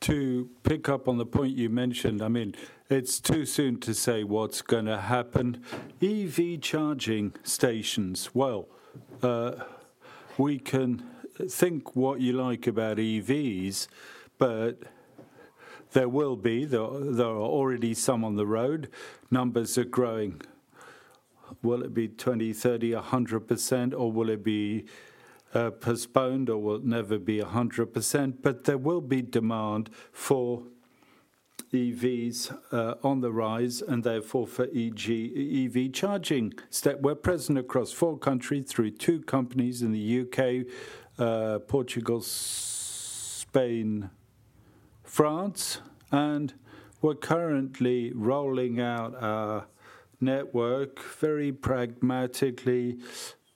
To pick up on the point you mentioned, I mean, it's too soon to say what's gonna happen. EV charging stations, well, we can think what you like about EVs, but there will be... There are already some on the road. Numbers are growing. Will it be 20, 30, 100%, or will it be postponed or will it never be 100%? But there will be demand for EVs on the rise, and therefore, for EV charging. We're present across four countries, through two companies in the UK, Portugal, Spain, France, and we're currently rolling out our network very pragmatically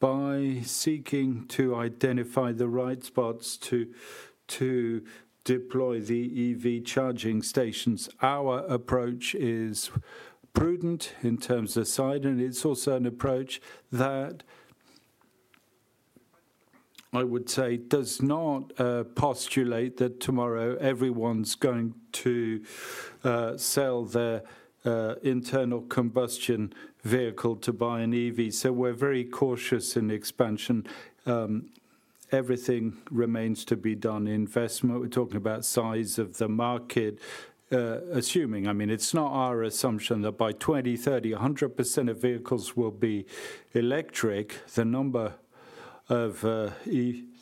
by seeking to identify the right spots to deploy the EV charging stations. Our approach is prudent in terms of size, and it's also an approach that, I would say, does not postulate that tomorrow everyone's going to sell their internal combustion vehicle to buy an EV. So we're very cautious in the expansion. Everything remains to be done. Investment, we're talking about size of the market. Assuming, I mean, it's not our assumption that by 2030, 100% of vehicles will be electric. The number of EV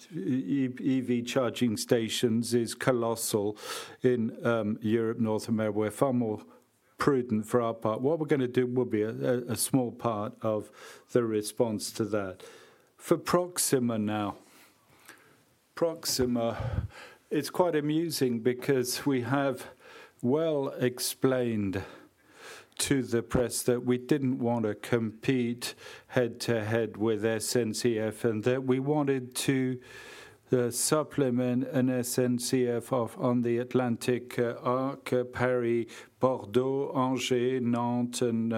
charging stations is colossal in Europe, North America. We're far more prudent for our part. What we're gonna do will be a small part of the response to that.... For Proxima now. Proxima, it's quite amusing because we have well explained to the press that we didn't want to compete head-to-head with SNCF, and that we wanted to supplement an SNCF offer on the Atlantic Arc, Paris, Bordeaux, Angers, Nantes, and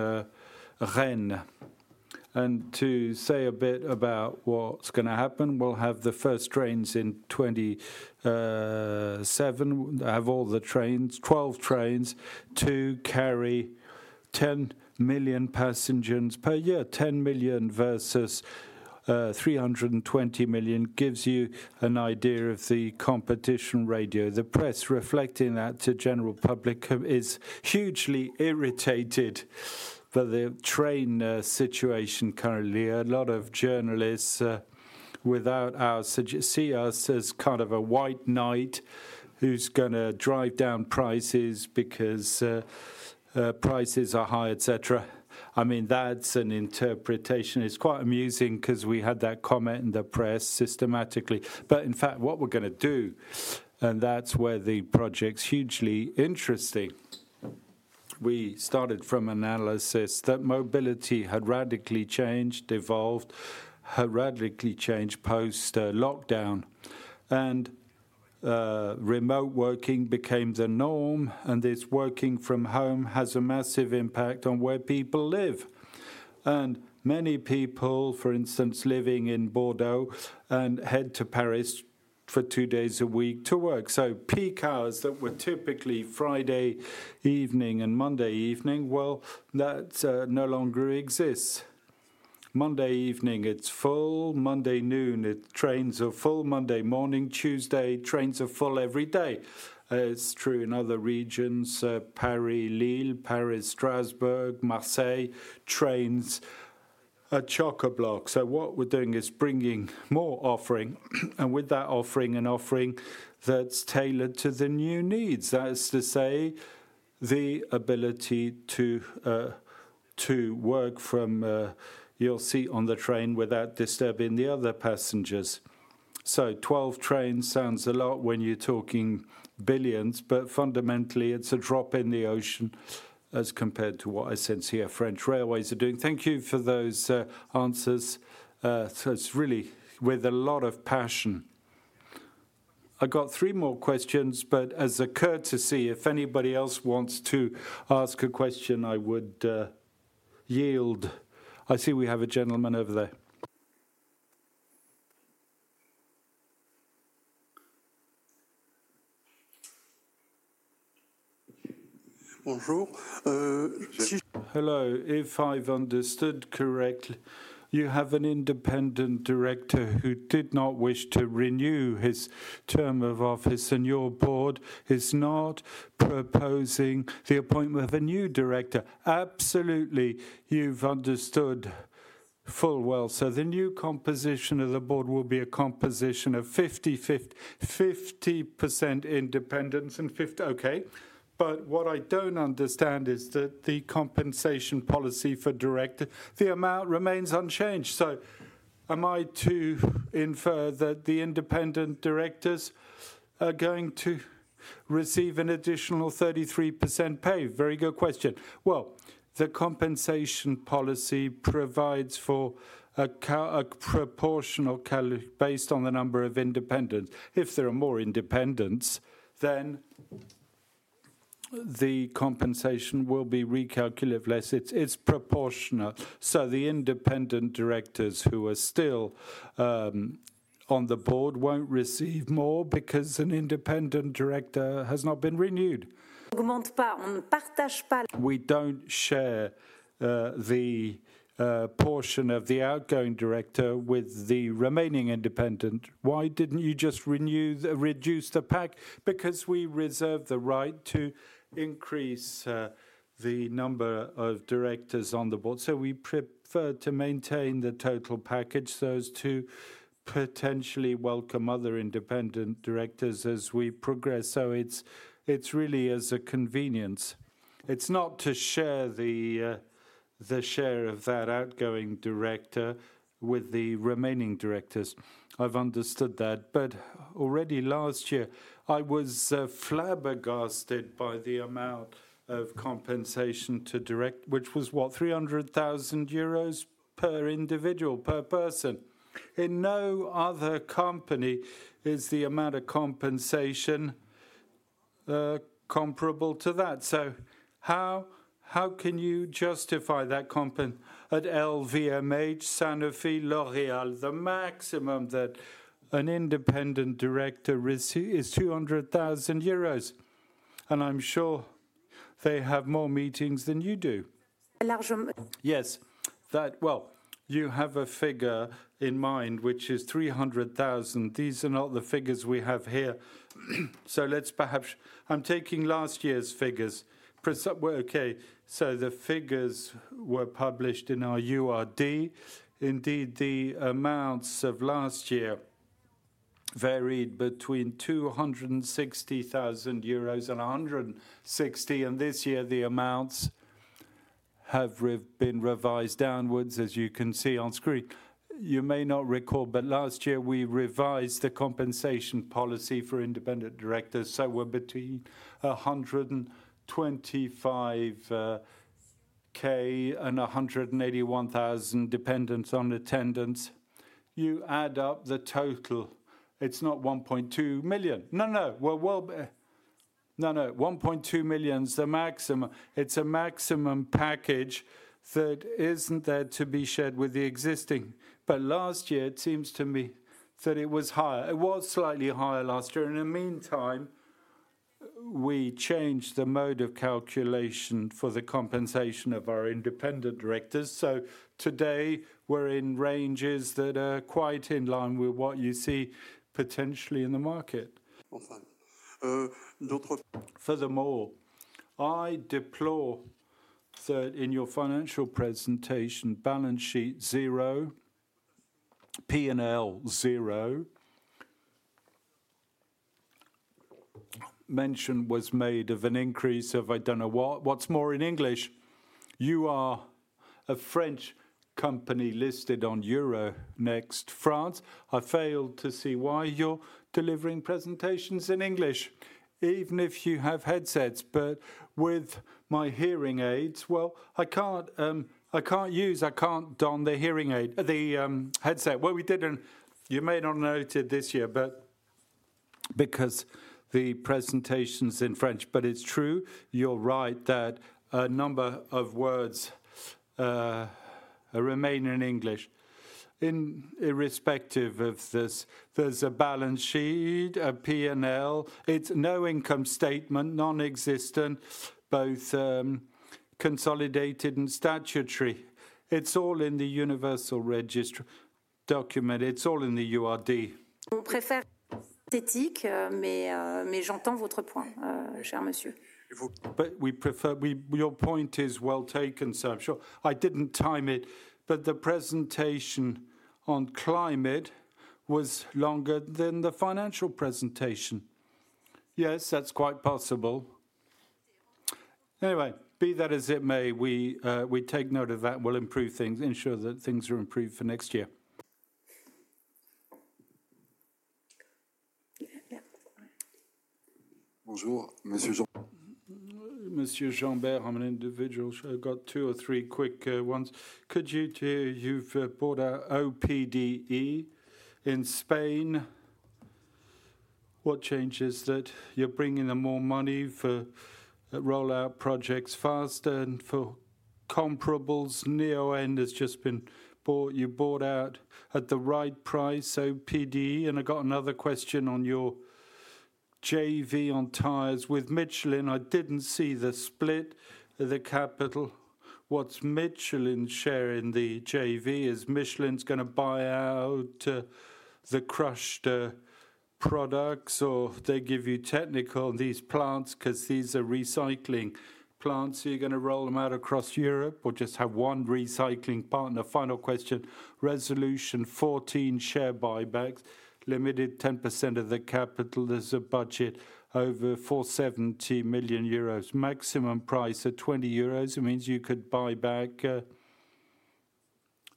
Rennes. And to say a bit about what's gonna happen, we'll have the first trains in 2027. We'll have all the trains, 12 trains, to carry 10 million passengers per year. 10 million versus 320 million gives you an idea of the competition radius. The press, reflecting that to general public, is hugely irritated by the train situation currently. A lot of journalists, without us, see us as kind of a white knight who's gonna drive down prices because prices are high, et cetera. I mean, that's an interpretation. It's quite amusing 'cause we had that comment in the press systematically. But in fact, what we're gonna do, and that's where the project's hugely interesting, we started from analysis that mobility had radically changed, evolved, had radically changed post lockdown, and remote working became the norm, and this working from home has a massive impact on where people live. And many people, for instance, living in Bordeaux and head to Paris for two days a week to work. So peak hours that were typically Friday evening and Monday evening, well, that no longer exists. Monday evening, it's full. Monday noon, it, trains are full. Monday morning, Tuesday, trains are full every day. It's true in other regions, Paris-Lille, Paris-Strasbourg, Marseille, trains are chock-a-block. So what we're doing is bringing more offering, and with that offering, an offering that's tailored to the new needs. That is to say, the ability to, to work from, your seat on the train without disturbing the other passengers. So twelve trains sounds a lot when you're talking billions, but fundamentally, it's a drop in the ocean as compared to what I sense here French railways are doing. Thank you for those, answers. So it's really with a lot of passion. I got three more questions, but as a courtesy, if anybody else wants to ask a question, I would, yield. I see we have a gentleman over there. Bonjour, hello. If I've understood correctly, you have an independent director who did not wish to renew his term of office, and your board is not proposing the appointment of a new director. Absolutely, you've understood full well. So the new composition of the board will be a composition of 50% independence and 50%. Okay. But what I don't understand is that the compensation policy for director, the amount remains unchanged. So am I to infer that the independent directors are going to receive an additional 33% pay? Very good question. Well, the compensation policy provides for a proportional calculation based on the number of independents. If there are more independents, then the compensation will be recalculated. Unless it's proportional, so the independent directors who are still on the board won't receive more because an independent director has not been renewed. We don't share the portion of the outgoing director with the remaining independent. Why didn't you just renew the... Reduce the package? Because we reserve the right to increase the number of directors on the board, so we prefer to maintain the total package, so as to potentially welcome other independent directors as we progress. So it's, it's really as a convenience. It's not to share the share of that outgoing director with the remaining directors. I've understood that, but already last year, I was flabbergasted by the amount of compensation to direct, which was, what? 300,000 euros per individual, per person. In no other company is the amount of compensation comparable to that. So how, how can you justify that compen... At LVMH, Sanofi, L'Oréal, the maximum that an independent director receives is 200,000 euros, and I'm sure they have more meetings than you do. Yes. That... Well, you have a figure in mind, which is 300,000. These are not the figures we have here. So let's perhaps—I'm taking last year's figures. Well, okay. So the figures were published in our URD. Indeed, the amounts of last year varied between 260,000 euros and 160,000, and this year the amounts have been revised downwards, as you can see on screen. You may not recall, but last year we revised the compensation policy for independent directors, so we're between 125,000 and 181,000 depending on attendance. You add up the total, it's not 1.2 million. No, no. Well, no, no, 1.2 million is the maximum. It's a maximum package that isn't there to be shared with the existing. But last year, it seems to me that it was higher. It was slightly higher last year, and in the meantime, we changed the mode of calculation for the compensation of our independent directors. So today, we're in ranges that are quite in line with what you see potentially in the market. Furthermore, I deplore that in your financial presentation, balance sheet zero, P&L zero, mention was made of an increase of I don't know what. What's more, in English, you are a French company listed on Euronext France. I fail to see why you're delivering presentations in English, even if you have headsets, but with my hearing aids, well, I can't, I can't use, I can't don the hearing aid, the headset. Well, we didn't... You may not note it this year, but because the presentation's in French, but it's true, you're right that a number of words remain in English. Irrespective of this, there's a balance sheet, a P&L. It's no income statement, non-existent, both, consolidated and statutory. It's all in the Universal Registration Document. It's all in the URD. But we prefer... We, your point is well taken, sir. I'm sure I didn't time it, but the presentation on climate was longer than the financial presentation. Yes, that's quite possible. Anyway, be that as it may, we, we take note of that and we'll improve things, ensure that things are improved for next year. Yeah. Bonjour, Monsieur Jean. Monsieur Jean-Pierre, I'm an individual. So I've got two or three quick ones. Could you tell, you've bought out Opdenergy in Spain. What changes that? You're bringing them more money for rollout projects faster and for comparables. Neoen has just been bought. You bought out at the right price, Opdenergy. And I got another question on your JV on tires with Michelin. I didn't see the split, the capital. What's Michelin share in the JV? Is Michelin gonna buy out the crushed products, or they give you technical on these plants, 'cause these are recycling plants. Are you gonna roll them out across Europe or just have one recycling partner? Final question, resolution 14 share buybacks, limited to 10% of the capital. There's a budget over 470 million euros, maximum price at 20 euros. It means you could buy back.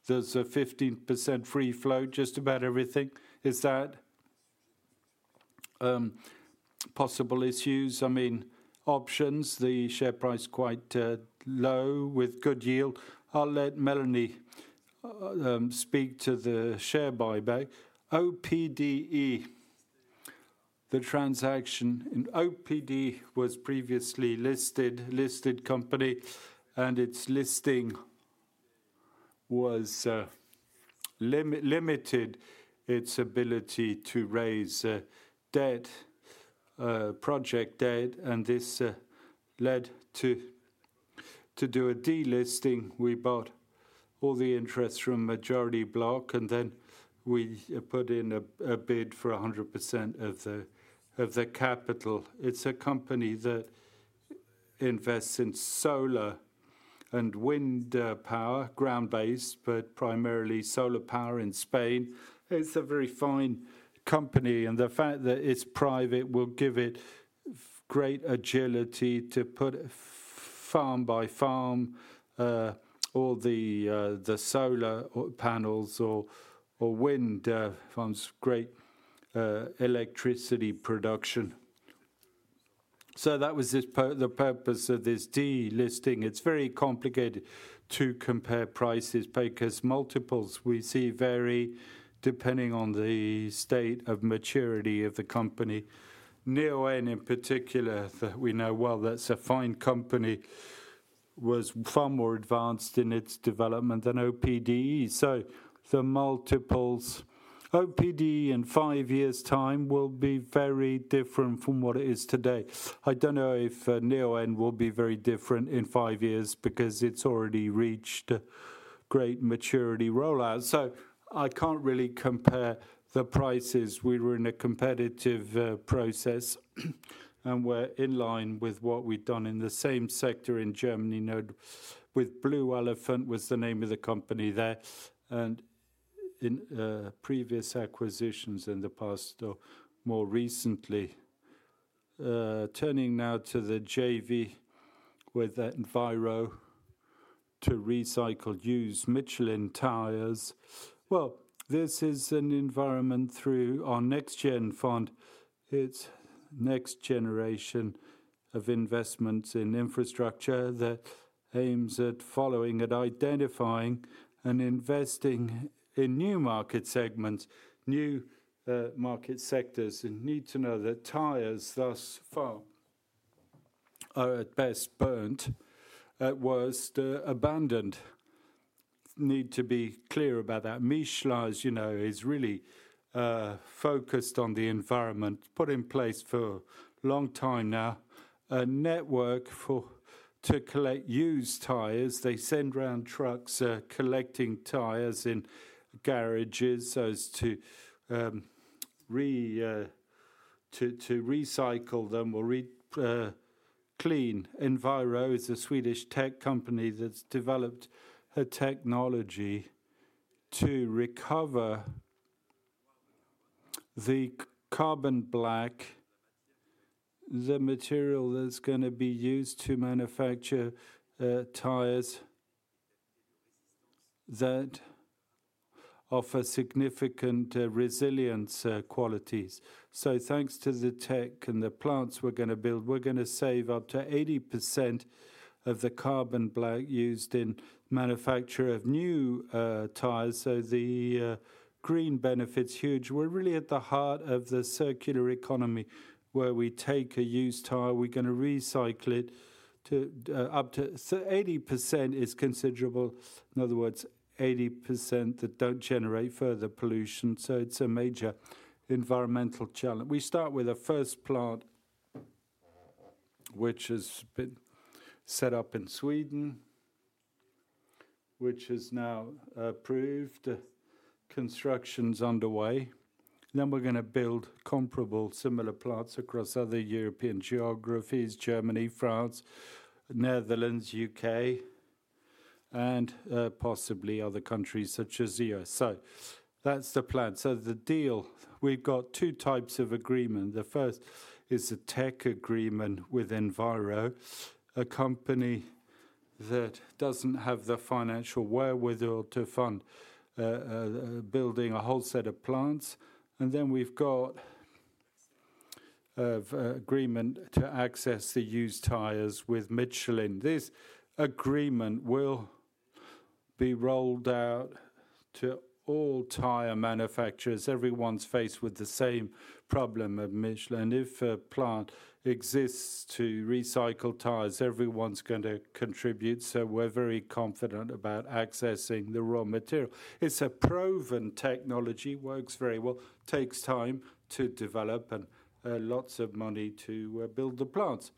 There's a 15% free float, just about everything. Is that possible issues? I mean, options? The share price quite low with good yield. I'll let Mélanie speak to the share buyback. Opdenergy, the transaction, and Opdenergy was previously listed company, and its listing was limited, its ability to raise debt, project debt, and this led to do a delisting. We bought all the interest from majority block, and then we put in a bid for 100% of the capital. It's a company that invests in solar and wind power, ground-based, but primarily solar power in Spain. It's a very fine company, and the fact that it's private will give it great agility to put farm by farm, all the, the solar or panels or, or wind, farms, great, electricity production. So that was the purpose of this delisting. It's very complicated to compare prices because multiples we see vary depending on the state of maturity of the company. Neoen, in particular, that we know well, that's a fine company, was far more advanced in its development than Opdenergy. So the multiples, Opdenergy in five years' time will be very different from what it is today. I don't know if, Neoen will be very different in five years because it's already reached a great maturity rollout. So I can't really compare the prices. We were in a competitive, process.... We're in line with what we've done in the same sector in Germany, now with Blue Elephant, was the name of the company there, and in previous acquisitions in the past or more recently. Turning now to the JV with Enviro to recycle used Michelin tires. Well, this is an environment through our NextGen Fund. It's next generation of investments in infrastructure that aims at following and identifying and investing in new market segments, new market sectors, and need to know that tires thus far are at best burnt, at worst, abandoned. Need to be clear about that. Michelin, as you know, is really focused on the environment, put in place for long time now a network for to collect used tires. They send round trucks collecting tires in garages as to recycle them or reclaim. Enviro is a Swedish tech company that's developed a technology to recover the carbon black, the material that's gonna be used to manufacture, tires that offer significant, resilience, qualities. So thanks to the tech and the plants we're gonna build, we're gonna save up to 80% of the carbon black used in manufacture of new, tires, so the, green benefit's huge. We're really at the heart of the circular economy, where we take a used tire, we're gonna recycle it to, up to... So 80% is considerable. In other words, 80% that don't generate further pollution, so it's a major environmental challenge. We start with a first plant, which has been set up in Sweden, which is now approved. Construction's underway. Then we're gonna build comparable similar plants across other European geographies, Germany, France, Netherlands, UK, and, possibly other countries such as the US. So that's the plan. So the deal, we've got two types of agreement. The first is a tech agreement with Enviro, a company that doesn't have the financial wherewithal to fund, building a whole set of plants. And then we've got, agreement to access the used tires with Michelin. This agreement will be rolled out to all tire manufacturers. Everyone's faced with the same problem at Michelin. If a plant exists to recycle tires, everyone's going to contribute, so we're very confident about accessing the raw material. It's a proven technology, works very well, takes time to develop and, lots of money to, build the plants.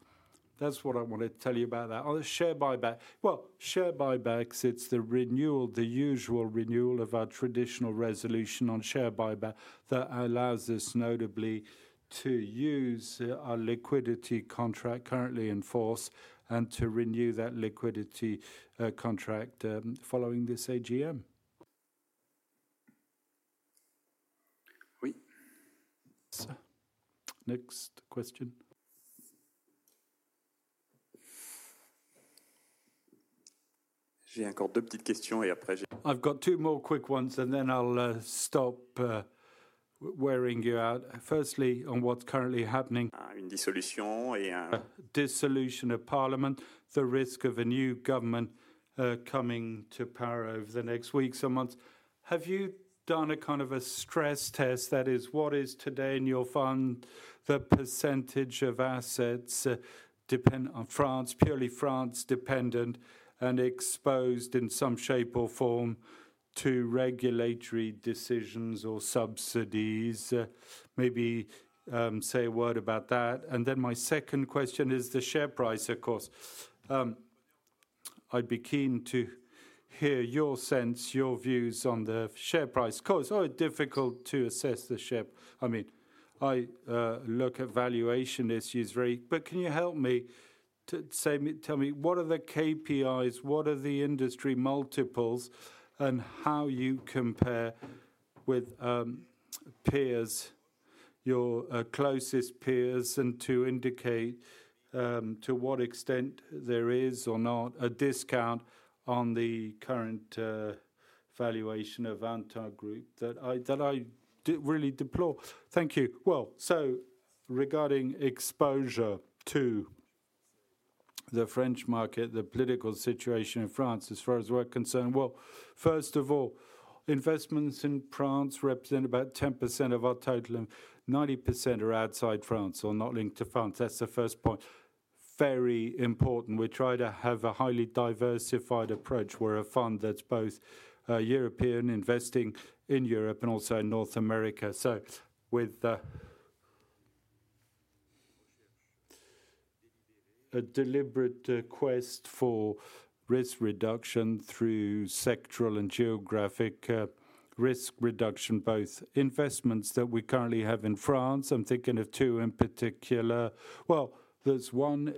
That's what I wanted to tell you about that. On the share buyback. Well, share buybacks, it's the renewal, the usual renewal of our traditional resolution on share buyback that allows us notably to use our liquidity contract currently in force and to renew that liquidity contract following this AGM. Oui. Sir, next question. I've got two more quick ones, and then I'll stop, wearing you out. Firstly, on what's currently happening, dissolution of parliament, the risk of a new government, coming to power over the next weeks and months. Have you done a kind of a stress test? That is, what is today in your fund, the percentage of assets depend on France, purely France-dependent, and exposed in some shape or form to regulatory decisions or subsidies? Maybe say a word about that. And then my second question is the share price, of course. I'd be keen to hear your sense, your views on the share price. Of course, oh, difficult to assess the share... I mean, I look at valuation issues very, but can you help me to say, tell me, what are the KPIs, what are the industry multiples, and how you compare with, peers, your closest peers, and to indicate, to what extent there is or not a discount on the current, valuation of Antin that I really deplore? Thank you. Well, regarding exposure to the French market, the political situation in France as far as we're concerned, well, first of all, investments in France represent about 10% of our total, and 90% are outside France or not linked to France. That's the first point. Very important. We try to have a highly diversified approach. We're a fund that's both European, investing in Europe and also in North America. So with... A deliberate quest for risk reduction through sectoral and geographic risk reduction, both investments that we currently have in France. I'm thinking of two in particular. Well, there's one,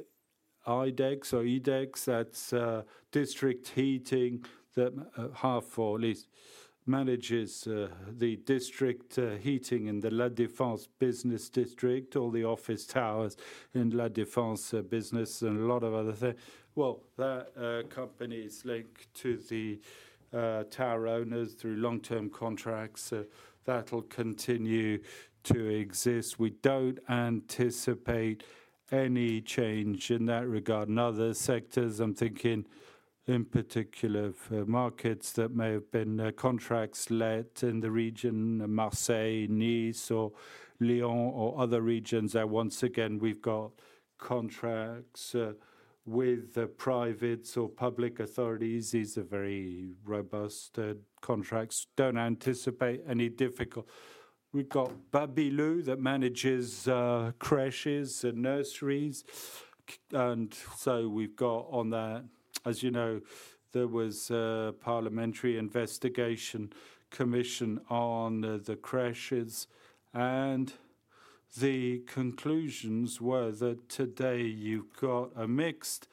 Idex, that's district heating, that half or at least manages the district heating in the La Défense business district, all the office towers in La Défense business and a lot of other thing. Well, that company's linked to the tower owners through long-term contracts. That'll continue to exist. We don't anticipate any change in that regard. In other sectors, I'm thinking in particular for markets that may have been contracts let in the region, Marseille, Nice or Lyon or other regions, that once again, we've got contracts with private or public authorities. These are very robust contracts. Don't anticipate any difficult... We've got Babilou that manages, crèches and nurseries, and so we've got on that, as you know, there was a parliamentary investigation commission on, the crèches, and the conclusions were that today you've got a mixed,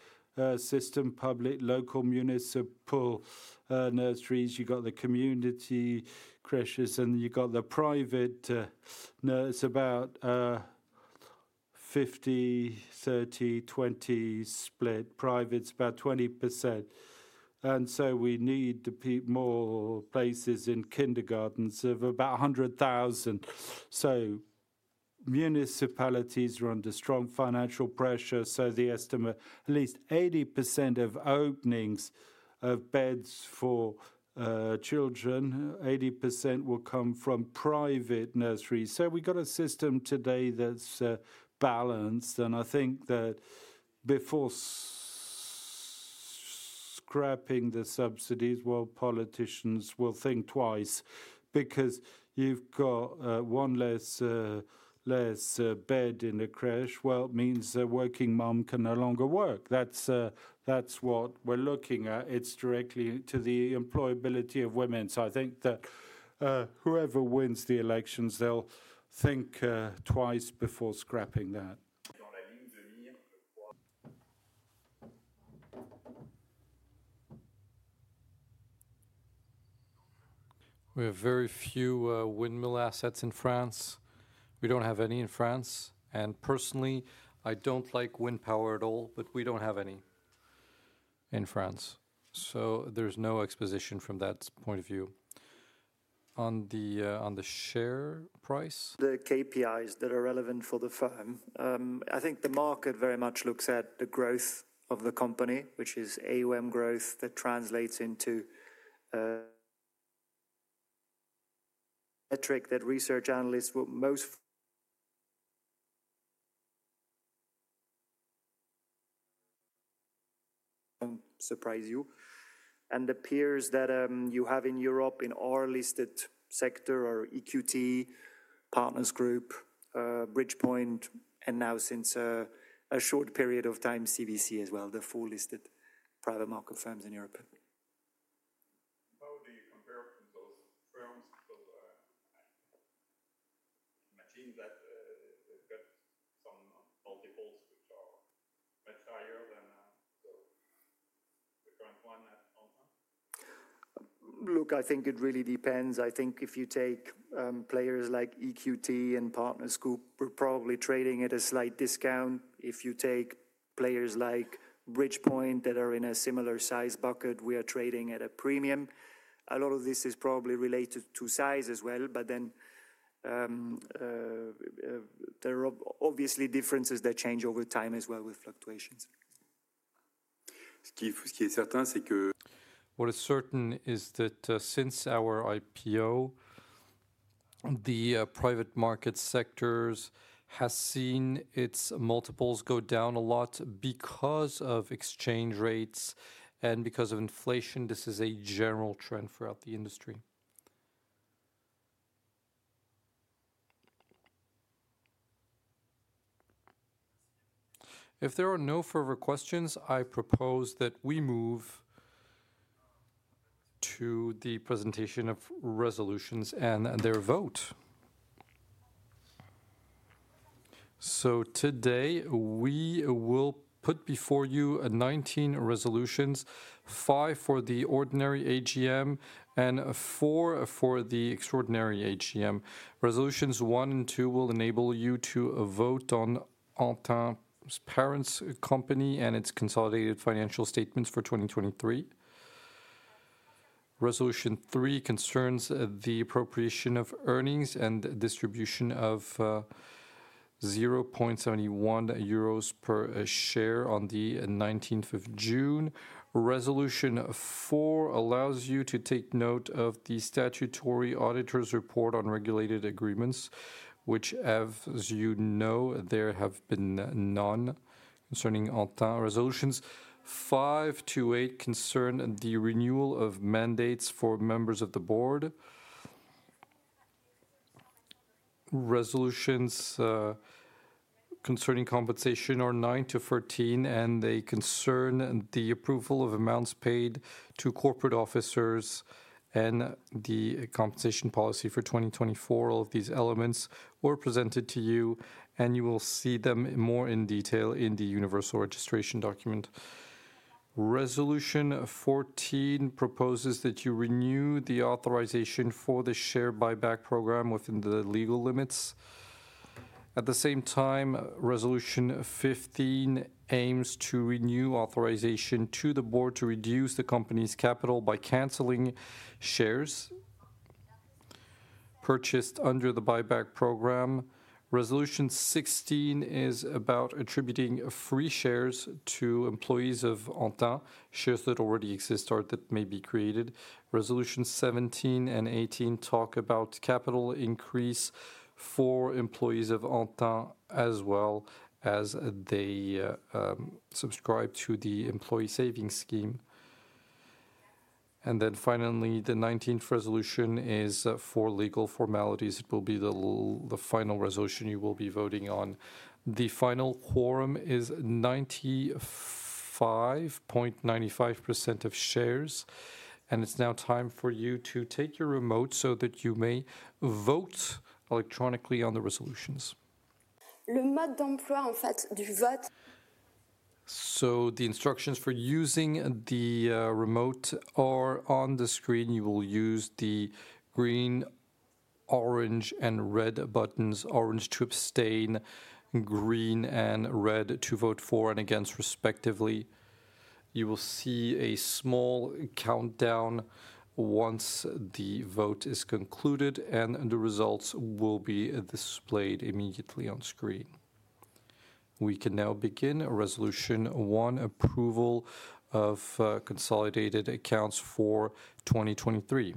system, public, local municipal, nurseries, you've got the community crèches, and you've got the private, nurseries about, 50, 30, 20 split. Private's about 20%, and so we need the more places in kindergartens of about 100,000. So municipalities are under strong financial pressure, so the estimate at least 80% of openings of beds for, children, 80% will come from private nurseries. So we've got a system today that's balanced, and I think that before scrapping the subsidies, well, politicians will think twice because you've got one less bed in the crèche. Well, it means a working mom can no longer work. That's what we're looking at. It's directly to the employability of women. So I think that whoever wins the elections, they'll think twice before scrapping that. We have very few windmill assets in France. We don't have any in France, and personally, I don't like wind power at all, but we don't have any in France, so there's no exposition from that point of view. On the share price? The KPIs that are relevant for the firm, I think the market very much looks at the growth of the company, which is AUM growth that translates into, a metric that research analysts will most... surprise you. And the peers that, you have in Europe in our listed sector are EQT, Partners Group, Bridgepoint, and now since, a short period of time, CVC as well, the four listed private market firms in Europe. How do you compare from those firms? Because, I imagine that, they've got some multiples which are much higher than the current one at Antin. Look, I think it really depends. I think if you take players like EQT and Partners Group, we're probably trading at a slight discount. If you take players like Bridgepoint that are in a similar size bucket, we are trading at a premium. A lot of this is probably related to size as well, but then there are obviously differences that change over time as well with fluctuations. What is certain is that, since our IPO, the private market sectors has seen its multiples go down a lot because of exchange rates and because of inflation. This is a general trend throughout the industry. If there are no further questions, I propose that we move to the presentation of resolutions and their vote. So today, we will put before you 19 resolutions, 5 for the ordinary AGM and 4 for the extraordinary AGM. Resolutions 1 and 2 will enable you to vote on Antin's parent company and its consolidated financial statements for 2023. Resolution 3 concerns the appropriation of earnings and distribution of 0.71 euros per share on the 19th of June. Resolution 4 allows you to take note of the statutory auditor's report on regulated agreements, which as you know, there have been none concerning Antin. Resolutions 5-8 concern the renewal of mandates for members of the board. Resolutions 9-13, concerning compensation, are nine to thirteen, and they concern the approval of amounts paid to corporate officers and the compensation policy for 2024. All of these elements were presented to you, and you will see them in more in detail in the Universal Registration Document. Resolution 14 proposes that you renew the authorization for the share buyback program within the legal limits. At the same time, resolution 15 aims to renew authorization to the board to reduce the company's capital by canceling shares purchased under the buyback program. Resolution 16 is about attributing free shares to employees of Antin, shares that already exist or that may be created. Resolution 17 and 18 talk about capital increase for employees of Antin, as well as they subscribe to the employee savings scheme. Then finally, the 19th resolution is for legal formalities. It will be the final resolution you will be voting on. The final quorum is 95.95% of shares, and it's now time for you to take your remote so that you may vote electronically on the resolutions. So the instructions for using the remote are on the screen. You will use the green, orange, and red buttons. Orange to abstain, green and red to vote for and against, respectively. You will see a small countdown once the vote is concluded, and the results will be displayed immediately on screen. We can now begin resolution 1: approval of consolidated accounts for 2023.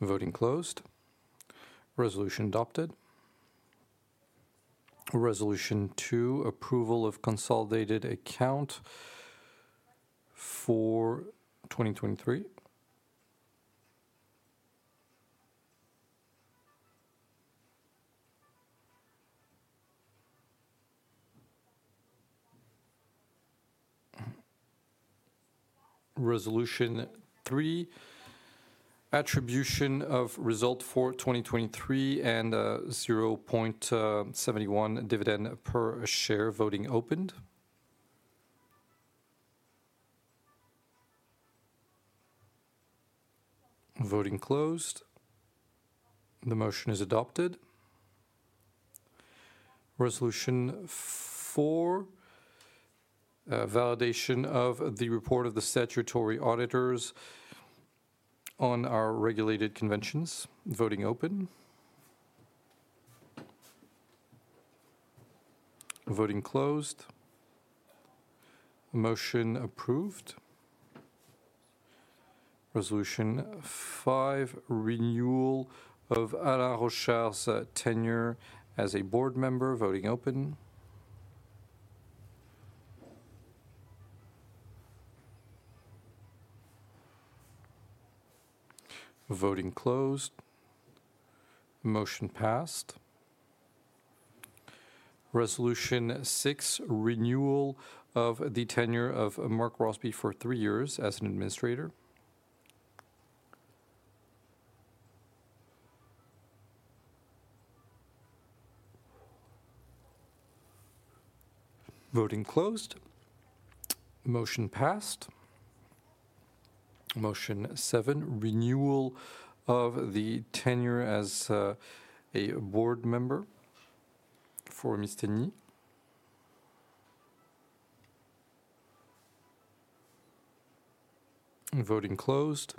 Voting closed. Resolution adopted. Resolution 2: approval of consolidated account for 2023. Resolution 3: attribution of result for 2023 and 0.71 EUR dividend per share. Voting opened. Voting closed. The motion is adopted. Resolution 4: validation of the report of the statutory auditors on our regulated conventions. Voting open. Voting closed. Motion approved. Resolution 5: renewal of Alain Rauscher's tenure as a board member. Voting open. Voting closed. Motion passed. Resolution 6: renewal of the tenure of Mark Crosbie for 3 years as an administrator. Voting closed. Motion passed. Motion 7: renewal of the tenure as a board member for Ms. Mélanie Biessy. Voting closed.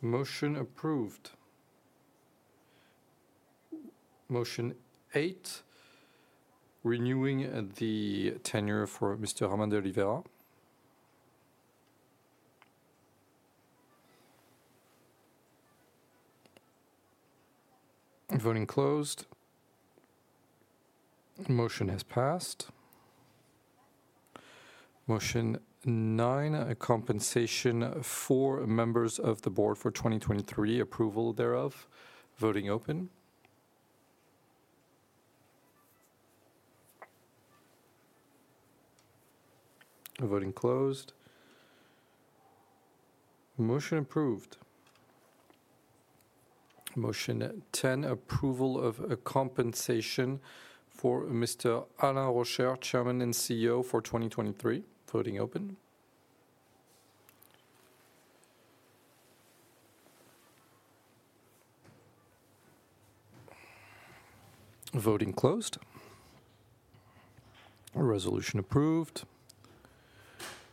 Motion approved. Motion 8: renewing the tenure for Mr. Ramon de Oliveira. Voting closed. Motion has passed. Motion 9: compensation for members of the board for 2023, approval thereof. Voting open. Voting closed. Motion approved. Motion 10: approval of compensation for Mr. Alain Rauscher, Chairman and CEO, for 2023. Voting open. Voting closed. Resolution approved.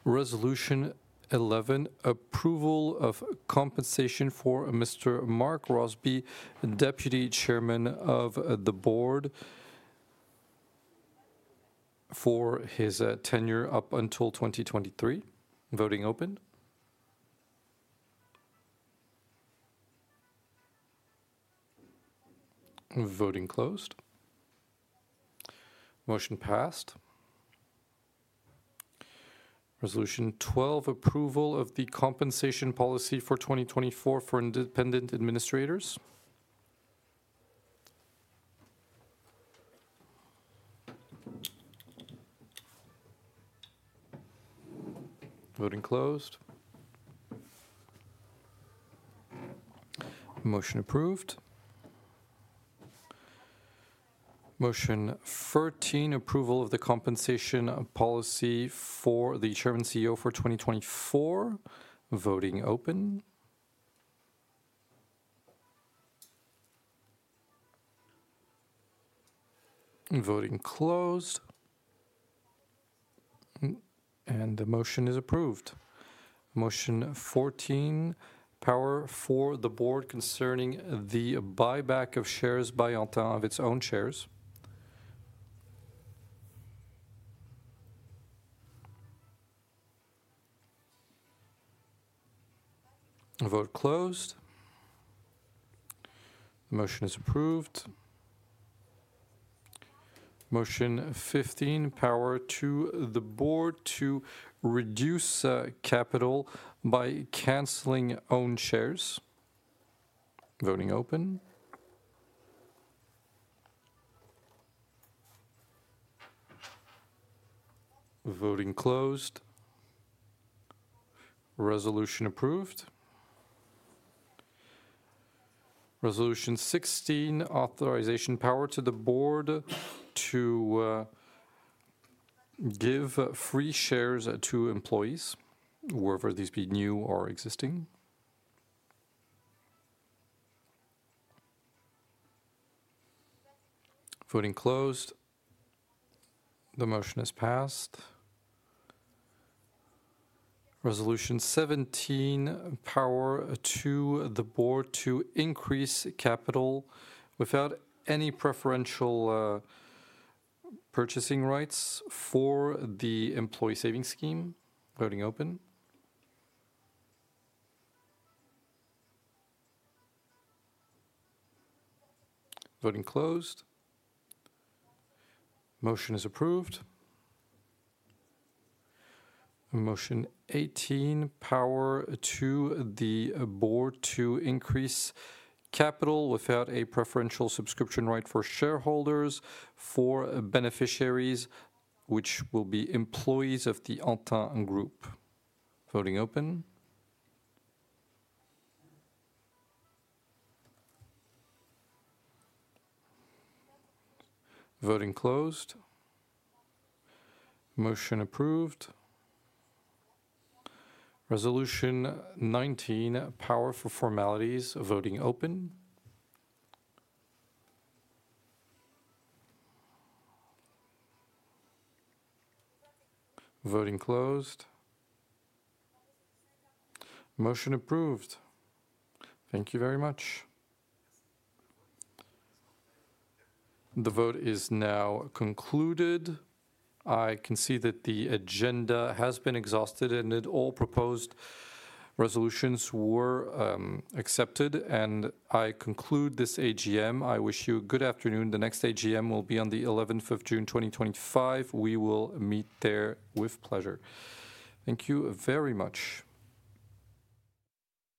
Resolution 11: approval of compensation for Mr. Mark Crosbie, Deputy Chairman of the Board, for his tenure up until 2023. Voting open. Voting closed. Motion passed. Resolution 12, approval of the compensation policy for 2024 for independent administrators. Voting closed. Motion approved. Motion 13, approval of the compensation policy for the Chairman CEO for 2024. Voting open. Voting closed, and the motion is approved. Motion 14, power for the board concerning the buyback of shares by Antin of its own shares. Vote closed. The motion is approved. Motion 15, power to the board to reduce capital by canceling own shares. Voting open. Voting closed. Resolution approved. Resolution 16, authorization power to the board to give free shares to employees, whether these be new or existing. Voting closed. The motion is passed. Resolution 17, power to the board to increase capital without any preferential purchasing rights for the employee savings scheme. Voting open. Voting closed. Motion is approved. Motion 18, power to the board to increase capital without a preferential subscription right for shareholders, for beneficiaries, which will be employees of the Antin Group. Voting open. Voting closed. Motion approved. Resolution 19, power for formalities. Voting open. Voting closed. Motion approved. Thank you very much. The vote is now concluded. I can see that the agenda has been exhausted and that all proposed resolutions were accepted, and I conclude this AGM. I wish you a good afternoon. The next AGM will be on the 11th of June, 2025. We will meet there with pleasure. Thank you very much.